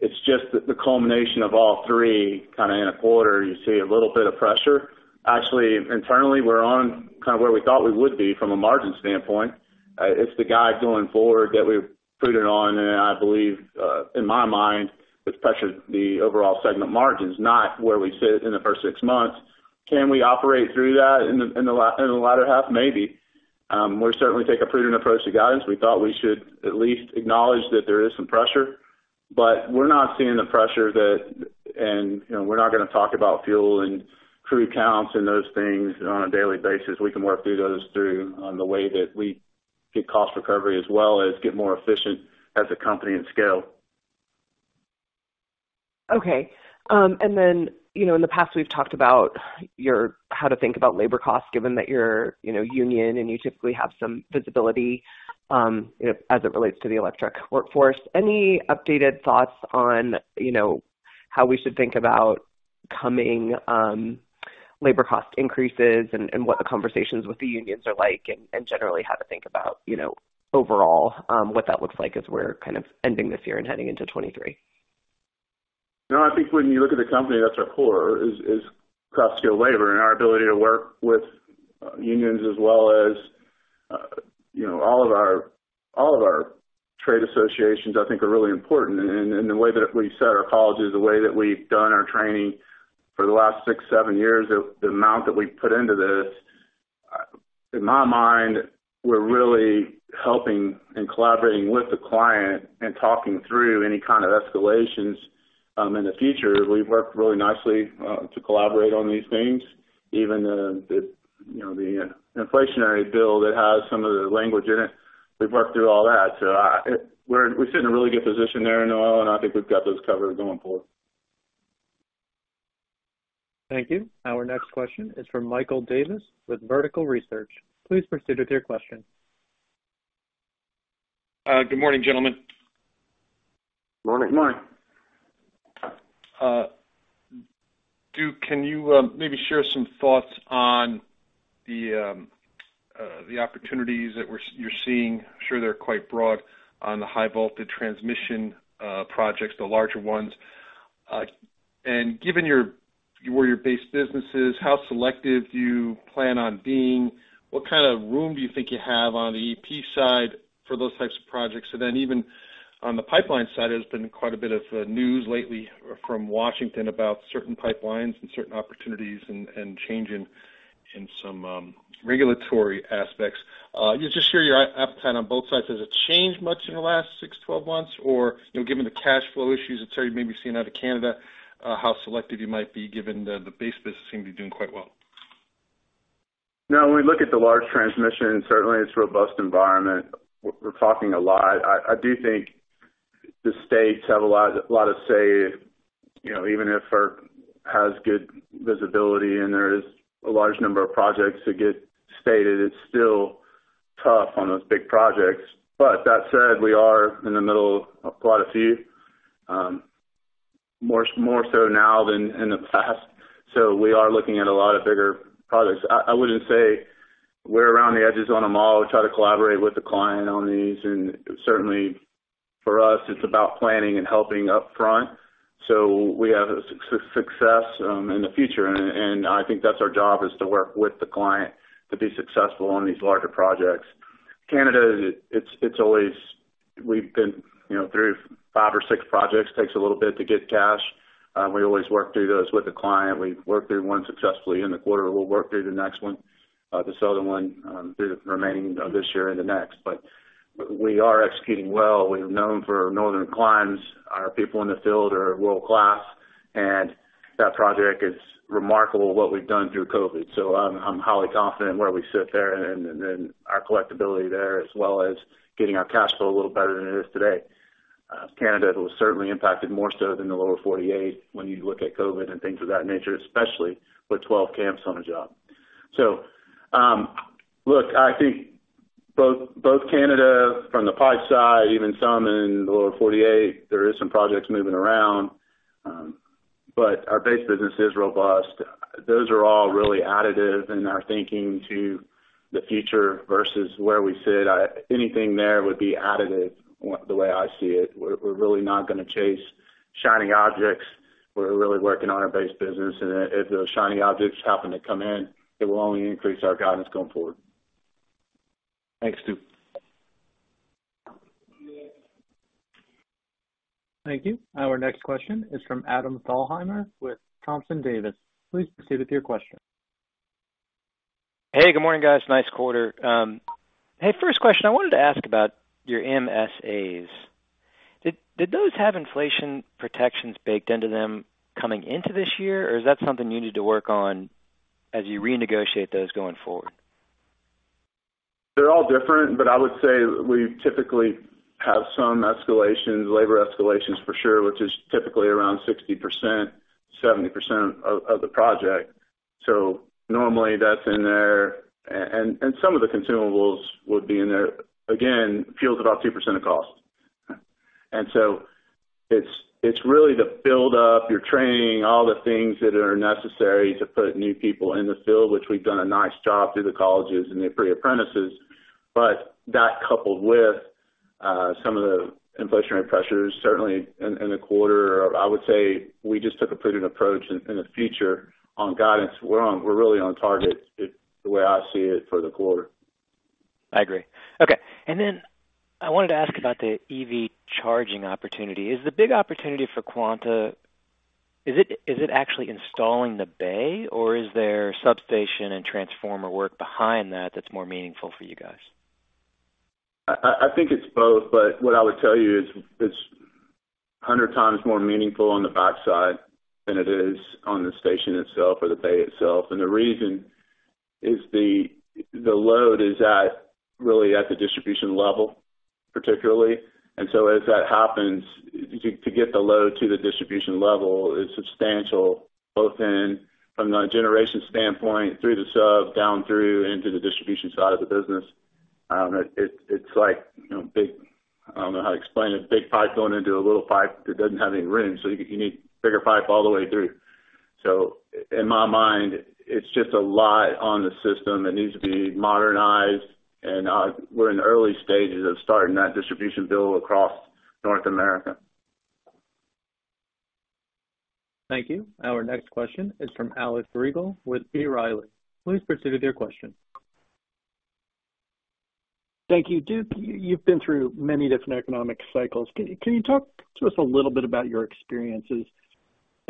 it's just the culmination of all three kind of in a quarter, you see a little bit of pressure. Actually, internally, we're on kind of where we thought we would be from a margin standpoint. It's the guide going forward that we've been prudent on, and I believe in my mind, it's pressured the overall segment margins, not where we sit in the first six months. Can we operate through that in the latter half? Maybe. We certainly take a prudent approach to guidance. We thought we should at least acknowledge that there is some pressure, but we're not seeing the pressure that. You know, we're not gonna talk about fuel and crew counts and those things on a daily basis. We can work through those on the way that we get cost recovery as well as get more efficient as a company and scale. Okay. You know, in the past, we've talked about your how to think about labor costs, given that you're, you know, union and you typically have some visibility, you know, as it relates to the electric workforce. Any updated thoughts on, you know, how we should think about coming labor cost increases and what the conversations with the unions are like, and generally how to think about, you know, overall, what that looks like as we're kind of ending this year and heading into 2023? No, I think when you look at the company, that's our core is skilled labor and our ability to work with unions as well as you know all of our trade associations I think are really important. The way that we set our classes, the way that we've done our training for the last six, seven years, the amount that we've put into this, in my mind, we're really helping and collaborating with the client and talking through any kind of escalations in the future. We've worked really nicely to collaborate on these things. Even you know the inflationary bill that has some of the language in it, we've worked through all that. We sit in a really good position there, Noelle, and I think we've got those covered going forward. Thank you. Our next question is from Mike Dudas with Vertical Research Partners. Please proceed with your question. Good morning, gentlemen. Morning. Morning. Can you maybe share some thoughts on the opportunities that you're seeing, I'm sure they're quite broad, on the high voltage transmission projects, the larger ones. Given where your base business is, how selective do you plan on being? What kind of room do you think you have on the EP side for those types of projects? Even on the pipeline side, there's been quite a bit of news lately from Washington about certain pipelines and certain opportunities and change in some regulatory aspects. Yeah, just share your appetite on both sides. Has it changed much in the last six, 12 months? You know, given the cash flow issues that Quanta may be seeing out of Canada, how selective you might be given the base business seem to be doing quite well. No, when we look at the large transmission, certainly it's a robust environment. We're talking a lot. I do think the states have a lot of say. You know, even if FERC has good visibility and there is a large number of projects that get sited, it's still tough on those big projects. That said, we are in the middle of quite a few, more so now than in the past, so we are looking at a lot of bigger projects. I wouldn't say we're around the edges on them all. We try to collaborate with the client on these, and certainly for us, it's about planning and helping up front, so we have a success in the future. I think that's our job, is to work with the client to be successful on these larger projects. Canada, it's always. We've been, you know, through five or six projects. Takes a little bit to get cash. We always work through those with the client. We worked through one successfully in the quarter. We'll work through the next one, this other one, through the remaining of this year and the next. We are executing well. We're known for northern climes. Our people in the field are world-class, and that project is remarkable, what we've done through COVID. So I'm highly confident in where we sit there and our collectibility there, as well as getting our cash flow a little better than it is today. Canada was certainly impacted more so than the lower forty-eight when you look at COVID and things of that nature, especially with 12 camps on a job. Look, I think both Canada from the pipe side, even some in the lower 48, there is some projects moving around, but our base business is robust. Those are all really additive in our thinking to the future versus where we sit. Anything there would be additive the way I see it. We're really not gonna chase shiny objects. We're really working on our base business, and if those shiny objects happen to come in, it will only increase our guidance going forward. Thanks, Duke. Thank you. Our next question is from Adam Thalhimer with Thompson Davis & Co. Please proceed with your question. Hey, good morning, guys. Nice quarter. Hey, first question, I wanted to ask about your MSAs. Did those have inflation protections baked into them coming into this year? Or is that something you need to work on as you renegotiate those going forward? They're all different, but I would say we typically have some escalations, labor escalations for sure, which is typically around 60%, 70% of the project. Normally that's in there. And some of the consumables would be in there. Again, fuel's about 2% of cost. It's really the build up, your training, all the things that are necessary to put new people in the field, which we've done a nice job through the colleges and the pre-apprentices. That coupled with some of the inflationary pressures certainly in the quarter, I would say we just took a prudent approach in the future on guidance. We're really on target, the way I see it, for the quarter. I agree. Okay. I wanted to ask about the EV charging opportunity. Is the big opportunity for Quanta, is it actually installing the bay, or is there substation and transformer work behind that that's more meaningful for you guys? I think it's both, but what I would tell you is it's hundred times more meaningful on the backside than it is on the station itself or the bay itself. The reason is the load is really at the distribution level, particularly. As that happens, to get the load to the distribution level is substantial, both in from the generation standpoint through the sub, down through into the distribution side of the business. It's like, you know, big pipe going into a little pipe that doesn't have any room, so you need bigger pipe all the way through. In my mind, it's just a lot on the system that needs to be modernized. We're in the early stages of starting that distribution build across North America. Thank you. Our next question is from Alex Rygiel with B. Riley. Please proceed with your question. Thank you. Duke, you've been through many different economic cycles. Can you talk to us a little bit about your experiences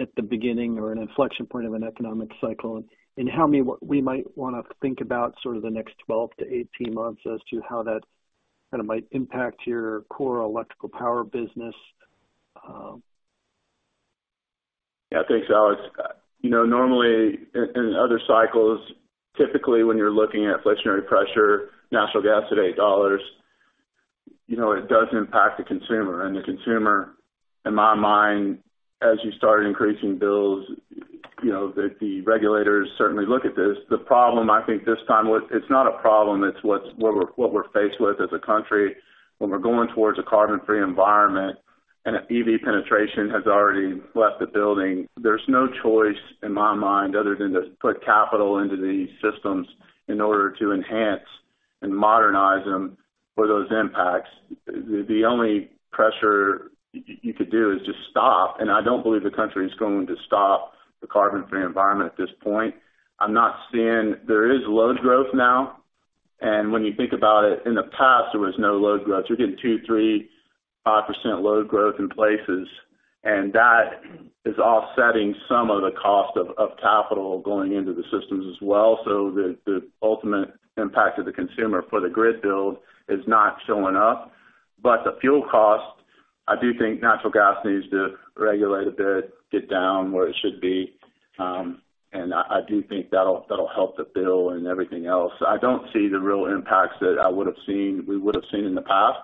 at the beginning or an inflection point of an economic cycle, and how we might wanna think about sort of the next 12-18 months as to how that kind of might impact your core electrical power business? Yeah. Thanks, Alex. You know, normally in other cycles, typically, when you're looking at inflationary pressure, natural gas at $8, you know, it does impact the consumer. The consumer, in my mind, as you start increasing bills, you know, the regulators certainly look at this. The problem I think this time it's not a problem, it's what we're faced with as a country when we're going towards a carbon-free environment. EV penetration has already left the building. There's no choice, in my mind, other than to put capital into these systems in order to enhance and modernize them for those impacts. The only pressure you could do is just stop, and I don't believe the country is going to stop the carbon-free environment at this point. I'm not seeing. There is load growth now, and when you think about it, in the past, there was no load growth. You're getting 2%, 3%, 5% load growth in places, and that is offsetting some of the cost of capital going into the systems as well. The ultimate impact of the consumer for the grid build is not showing up. The fuel cost, I do think natural gas needs to regulate a bit, get down where it should be, and I do think that'll help the bill and everything else. I don't see the real impacts that we would've seen in the past.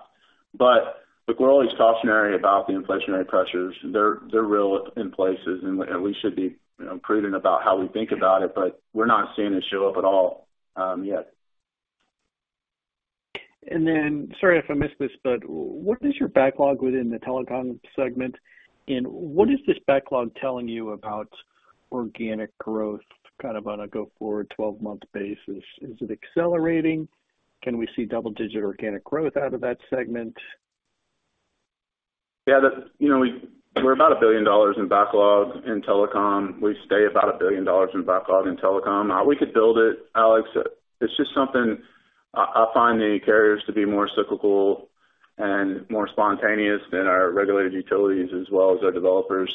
Look, we're always cautionary about the inflationary pressures. They're real in places, and we should be, you know, prudent about how we think about it, but we're not seeing it show up at all, yet. Sorry if I missed this, but what is your backlog within the telecom segment? What is this backlog telling you about organic growth, kind of on a go-forward 12-month basis? Is it accelerating? Can we see double-digit organic growth out of that segment? Yeah. You know, we're about $1 billion in backlog in telecom. We stay about $1 billion in backlog in telecom. We could build it, Alex. It's just something I find the carriers to be more cyclical and more spontaneous than our regulated utilities as well as our developers.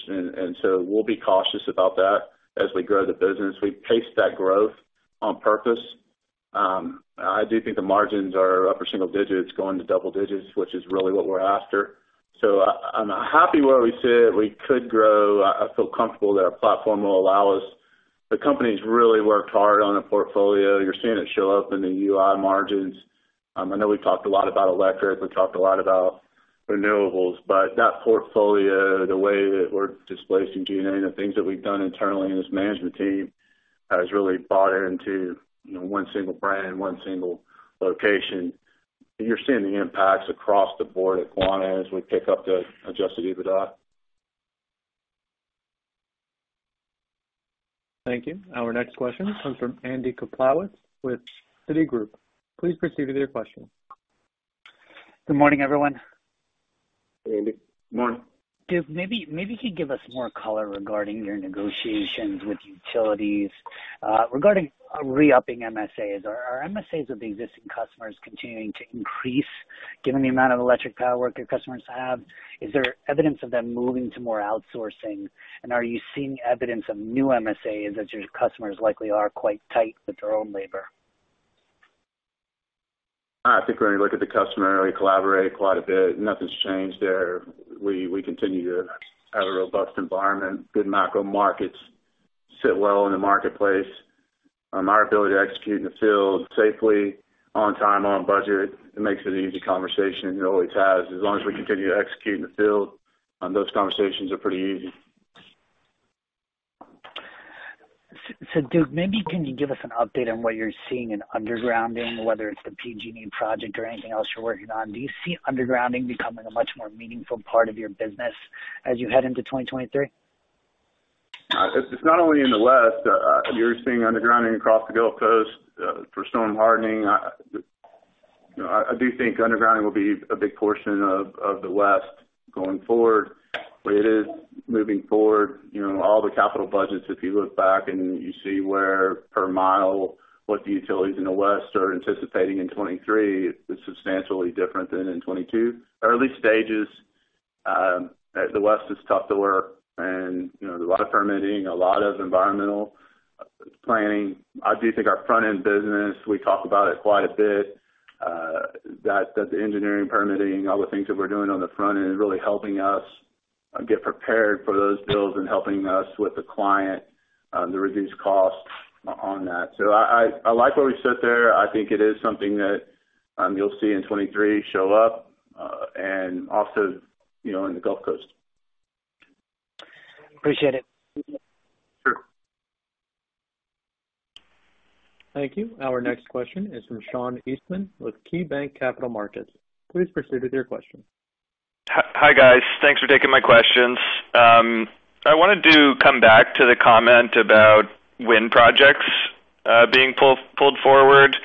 We'll be cautious about that as we grow the business. We pace that growth on purpose. I do think the margins are upper single digits going to double digits, which is really what we're after. I'm happy where we sit. We could grow. I feel comfortable that our platform will allow us. The company's really worked hard on a portfolio. You're seeing it show up in the UI margins. I know we talked a lot about electric, we talked a lot about renewables, but that portfolio, the way that we're displacing G&A and the things that we've done internally in this management team has really bought into, you know, one single brand, one single location. You're seeing the impacts across the board at Quanta as we pick up the adjusted EBITDA. Thank you. Our next question comes from Andy Kaplowitz with Citigroup. Please proceed with your question. Good morning, everyone. Hey, Andy. Morning. Duke, maybe you could give us more color regarding your negotiations with utilities. Regarding re-upping MSAs, are MSAs of the existing customers continuing to increase given the amount of electric power work your customers have? Is there evidence of them moving to more outsourcing? Are you seeing evidence of new MSAs as your customers likely are quite tight with their own labor? I think when you look at the customer, we collaborate quite a bit. Nothing's changed there. We continue to have a robust environment, good macro markets, sit well in the marketplace. Our ability to execute in the field safely, on time, on budget, it makes it an easy conversation. It always has. As long as we continue to execute in the field, those conversations are pretty easy. Duke, maybe can you give us an update on what you're seeing in undergrounding, whether it's the PG&E project or anything else you're working on? Do you see undergrounding becoming a much more meaningful part of your business as you head into 2023? It's not only in the West. You're seeing undergrounding across the Gulf Coast for storm hardening. I do think undergrounding will be a big portion of the West going forward, but it is moving forward. You know, all the capital budgets, if you look back and you see where per mile, what the utilities in the West are anticipating in 2023, it's substantially different than in 2022. Early stages, the West is tough to work and, you know, there's a lot of permitting, a lot of environmental planning. I do think our front-end business, we talk about it quite a bit, that the engineering permitting, all the things that we're doing on the front end is really helping us get prepared for those builds and helping us with the client to reduce costs on that. I like where we sit there. I think it is something that you'll see in 2023 show up and also, you know, in the Gulf Coast. Appreciate it. Sure. Thank you. Our next question is from Sean Eastman with KeyBanc Capital Markets. Please proceed with your question. Hi, guys. Thanks for taking my questions. I wanted to come back to the comment about wind projects being pulled forward.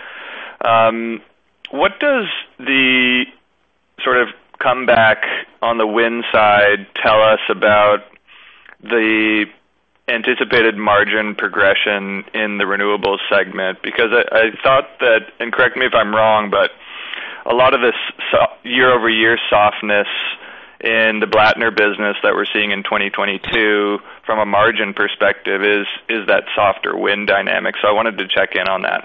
What does the sort of comeback on the wind side tell us about the anticipated margin progression in the renewables segment? Because I thought that, and correct me if I'm wrong, but a lot of this year-over-year softness in the Blattner business that we're seeing in 2022 from a margin perspective is that softer wind dynamic. I wanted to check in on that.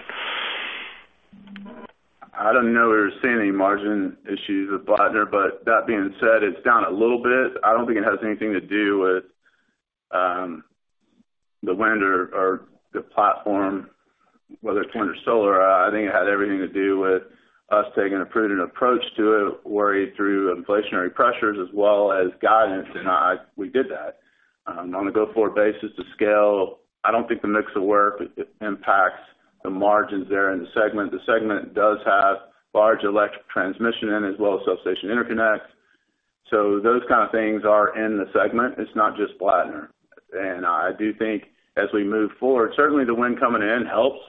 I don't know that we're seeing any margin issues with Blattner, but that being said, it's down a little bit. I don't think it has anything to do with the wind or the platform, whether it's wind or solar. I think it had everything to do with us taking a prudent approach to it, worried through inflationary pressures as well as guidance, and we did that. On a go-forward basis to scale, I don't think the mix of work impacts the margins there in the segment. The segment does have large electric transmission in it as well as substation interconnect. So those kind of things are in the segment. It's not just Blattner. I do think as we move forward, certainly the wind coming in helps,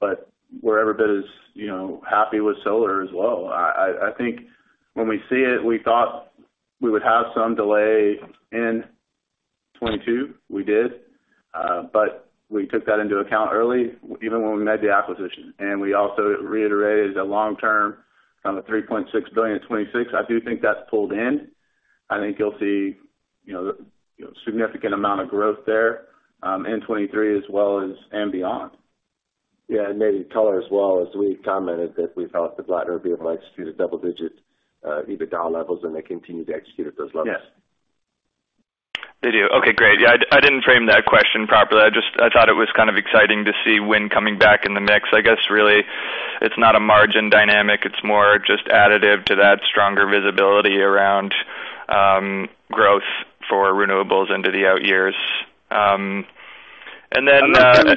but we're every bit as, you know, happy with solar as well. I think when we see it, we thought we would have some delay in 2022. We did. We took that into account early, even when we made the acquisition. We also reiterated a long-term from the $3.6 billion in 2026. I do think that's pulled in. I think you'll see, you know, significant amount of growth there in 2023 as well as and beyond. Yeah, maybe color as well, as we've commented that we felt that Blattner would be able to execute at double-digit EBITDA levels, and they continue to execute at those levels. Yes. They do. Okay, great. Yeah, I didn't frame that question properly. I thought it was kind of exciting to see wind coming back in the mix. I guess, really it's not a margin dynamic. It's more just additive to that stronger visibility around growth for renewables into the out years. I'm not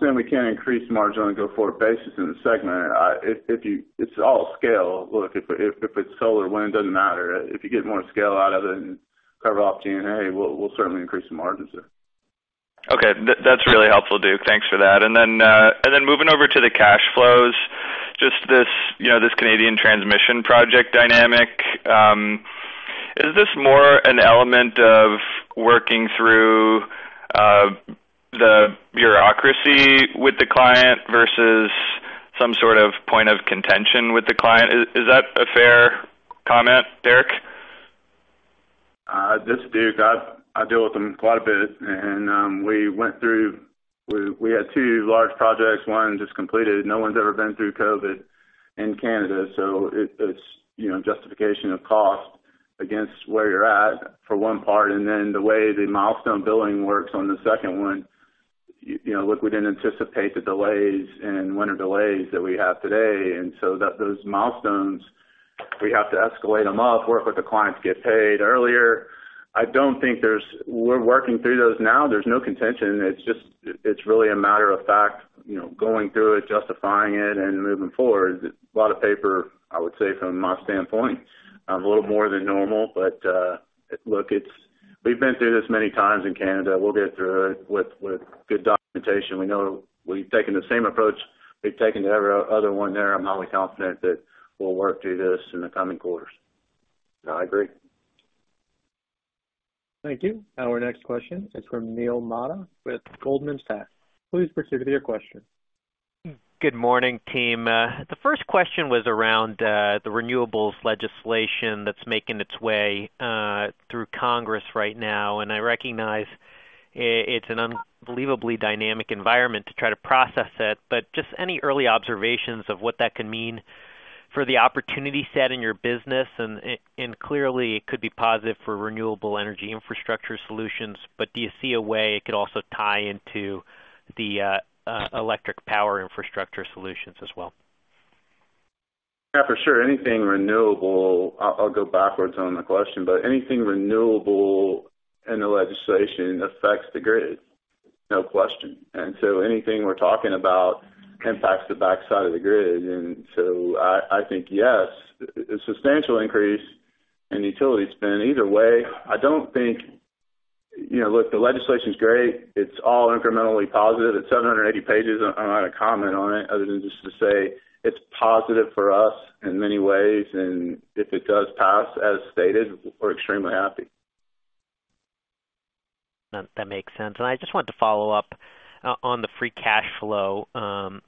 saying we can't increase margin on a go-forward basis in the segment. It's all scale. Look, if it's solar or wind, it doesn't matter. If you get more scale out of it and cover off G&A, we'll certainly increase the margins there. Okay. That's really helpful, Duke. Thanks for that. Moving over to the cash flows, just this, you know, this Canadian transmission project dynamic, is this more an element of working through the bureaucracy with the client versus some sort of point of contention with the client? Is that a fair comment, Derrick? This is Duke. I deal with them quite a bit, and we had two large projects, one just completed. No one's ever been through COVID in Canada, so it's, you know, justification of cost against where you're at for one part, and then the way the milestone billing works on the second one, you know, look, we didn't anticipate the delays and winter delays that we have today. Those milestones, we have to escalate them up, work with the clients to get paid earlier. We're working through those now. There's no contention. It's really a matter of fact, you know, going through it, justifying it and moving forward. A lot of paper, I would say, from my standpoint, a little more than normal. Look, it's, we've been through this many times in Canada. We'll get through it with good documentation. We know we've taken the same approach we've taken to every other one there. I'm highly confident that we'll work through this in the coming quarters. No, I agree. Thank you. Our next question is from Neil Mehta with Goldman Sachs. Please proceed with your question. Good morning, team. The first question was around the renewables legislation that's making its way through Congress right now. I recognize it's an unbelievably dynamic environment to try to process it, but just any early observations of what that could mean for the opportunity set in your business. Clearly it could be positive for renewable energy infrastructure solutions, but do you see a way it could also tie into the electric power infrastructure solutions as well? Yeah, for sure. Anything renewable, I'll go backwards on the question, but anything renewable in the legislation affects the grid, no question. Anything we're talking about impacts the backside of the grid. I think, yes, a substantial increase in utility spend either way. You know, look, the legislation's great. It's all incrementally positive. It's 780 pages. I'm not going to comment on it other than just to say it's positive for us in many ways, and if it does pass as stated, we're extremely happy. That makes sense. I just wanted to follow up on the free cash flow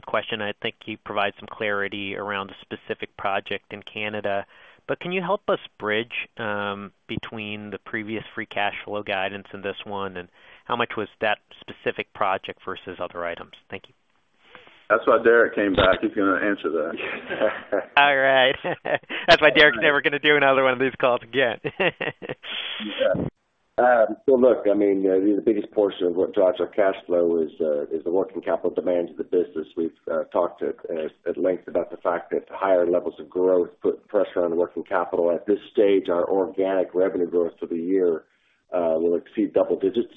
question. I think you provided some clarity around the specific project in Canada, but can you help us bridge between the previous free cash flow guidance and this one, and how much was that specific project versus other items? Thank you. That's why Derrick came back. He's gonna answer that. All right. That's why Derrick's never gonna do another one of these calls again. Look, I mean, the biggest portion of what drives our cash flow is the working capital demands of the business. We've talked at length about the fact that higher levels of growth put pressure on the working capital. At this stage, our organic revenue growth for the year will exceed double digits.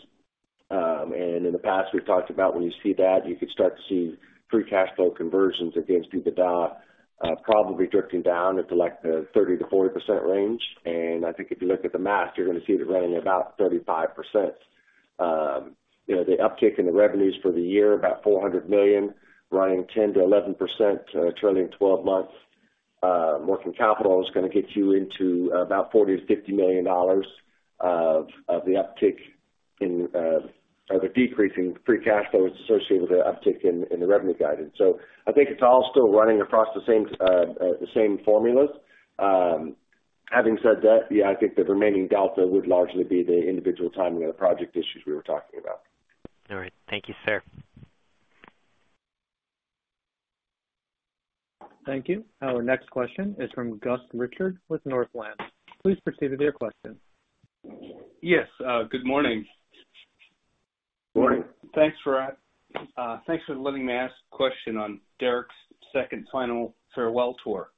In the past, we've talked about when you see that, you could start to see free cash flow conversions against EBITDA probably drifting down into like the 30%-40% range. I think if you look at the math, you're gonna see it running about 35%. You know, the uptick in the revenues for the year, about $400 million, running 10%-11%, trailing twelve months, working capital is gonna get you into about $40 million-$50 million of the uptick in, or the decrease in free cash flow associated with the uptick in the revenue guidance. I think it's all still running across the same formulas. Having said that, yeah, I think the remaining delta would largely be the individual timing of the project issues we were talking about. All right. Thank you, sir. Thank you. Our next question is from Gus Richard with Northland. Please proceed with your question. Yes. Good morning. Morning. Thanks for letting me ask question onDerrick 's second final farewell tour.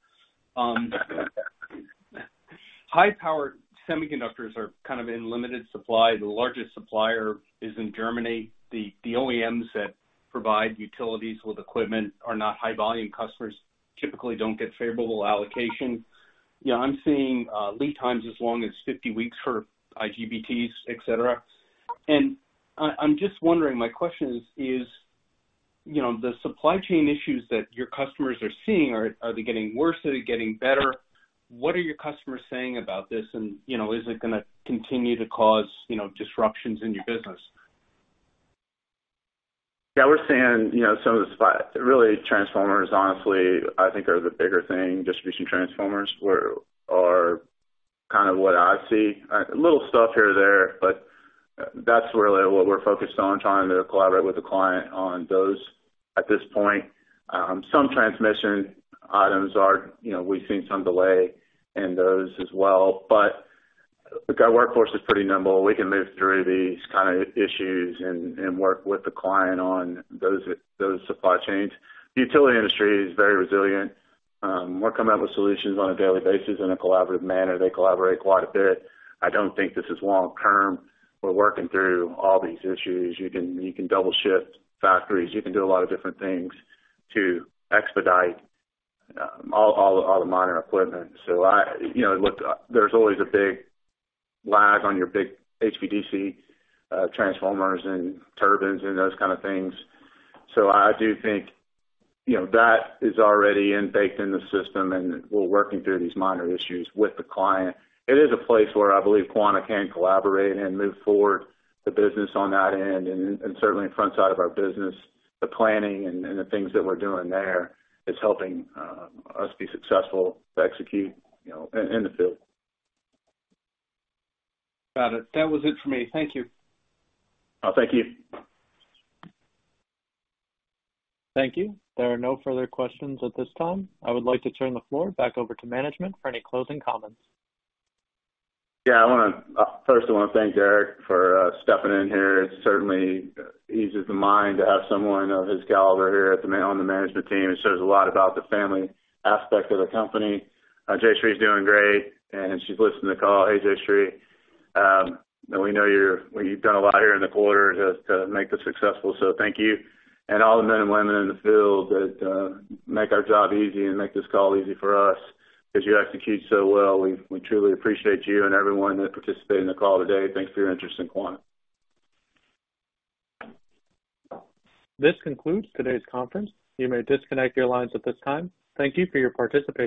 High-powered semiconductors are kind of in limited supply. The largest supplier is in Germany. The OEMs that provide utilities with equipment are not high-volume customers, typically don't get favorable allocation. You know, I'm seeing lead times as long as 50 weeks for IGBTs, et cetera. I'm just wondering, my question is, you know, the supply chain issues that your customers are seeing, are they getting worse? Are they getting better? What are your customers saying about this? You know, is it gonna continue to cause disruptions in your business? Yeah, we're seeing, you know, really transformers, honestly, I think are the bigger thing. Distribution transformers are kind of what I see. A little stuff here or there, but that's really what we're focused on, trying to collaborate with the client on those at this point. Some transmission items are, you know, we've seen some delay in those as well. Our workforce is pretty nimble. We can move through these kind of issues and work with the client on those supply chains. The utility industry is very resilient. We're coming up with solutions on a daily basis in a collaborative manner. They collaborate quite a bit. I don't think this is long-term. We're working through all these issues. You can double-shift factories. You can do a lot of different things to expedite all the minor equipment. You know, look, there's always a big lag on your big HVDC transformers and turbines and those kind of things. I do think, you know, that is already baked in the system, and we're working through these minor issues with the client. It is a place where I believe Quanta can collaborate and move forward the business on that end, and certainly in front end of our business, the planning and the things that we're doing there is helping us be successful to execute, you know, in the field. Got it. That was it for me. Thank you. Oh, thank you. Thank you. There are no further questions at this time. I would like to turn the floor back over to management for any closing comments. First I wanna thank Derrick for stepping in here. It certainly eases the mind to have someone of his caliber here on the management team. It says a lot about the family aspect of the company. Jayshree's doing great, and she's listening to the call. Hey, Jayshree. We know you've done a lot here in the quarter to make this successful, so thank you. All the men and women in the field that make our job easy and make this call easy for us because you execute so well. We truly appreciate you and everyone that participated in the call today. Thanks for your interest in Quanta. This concludes today's conference. You may disconnect your lines at this time. Thank you for your participation.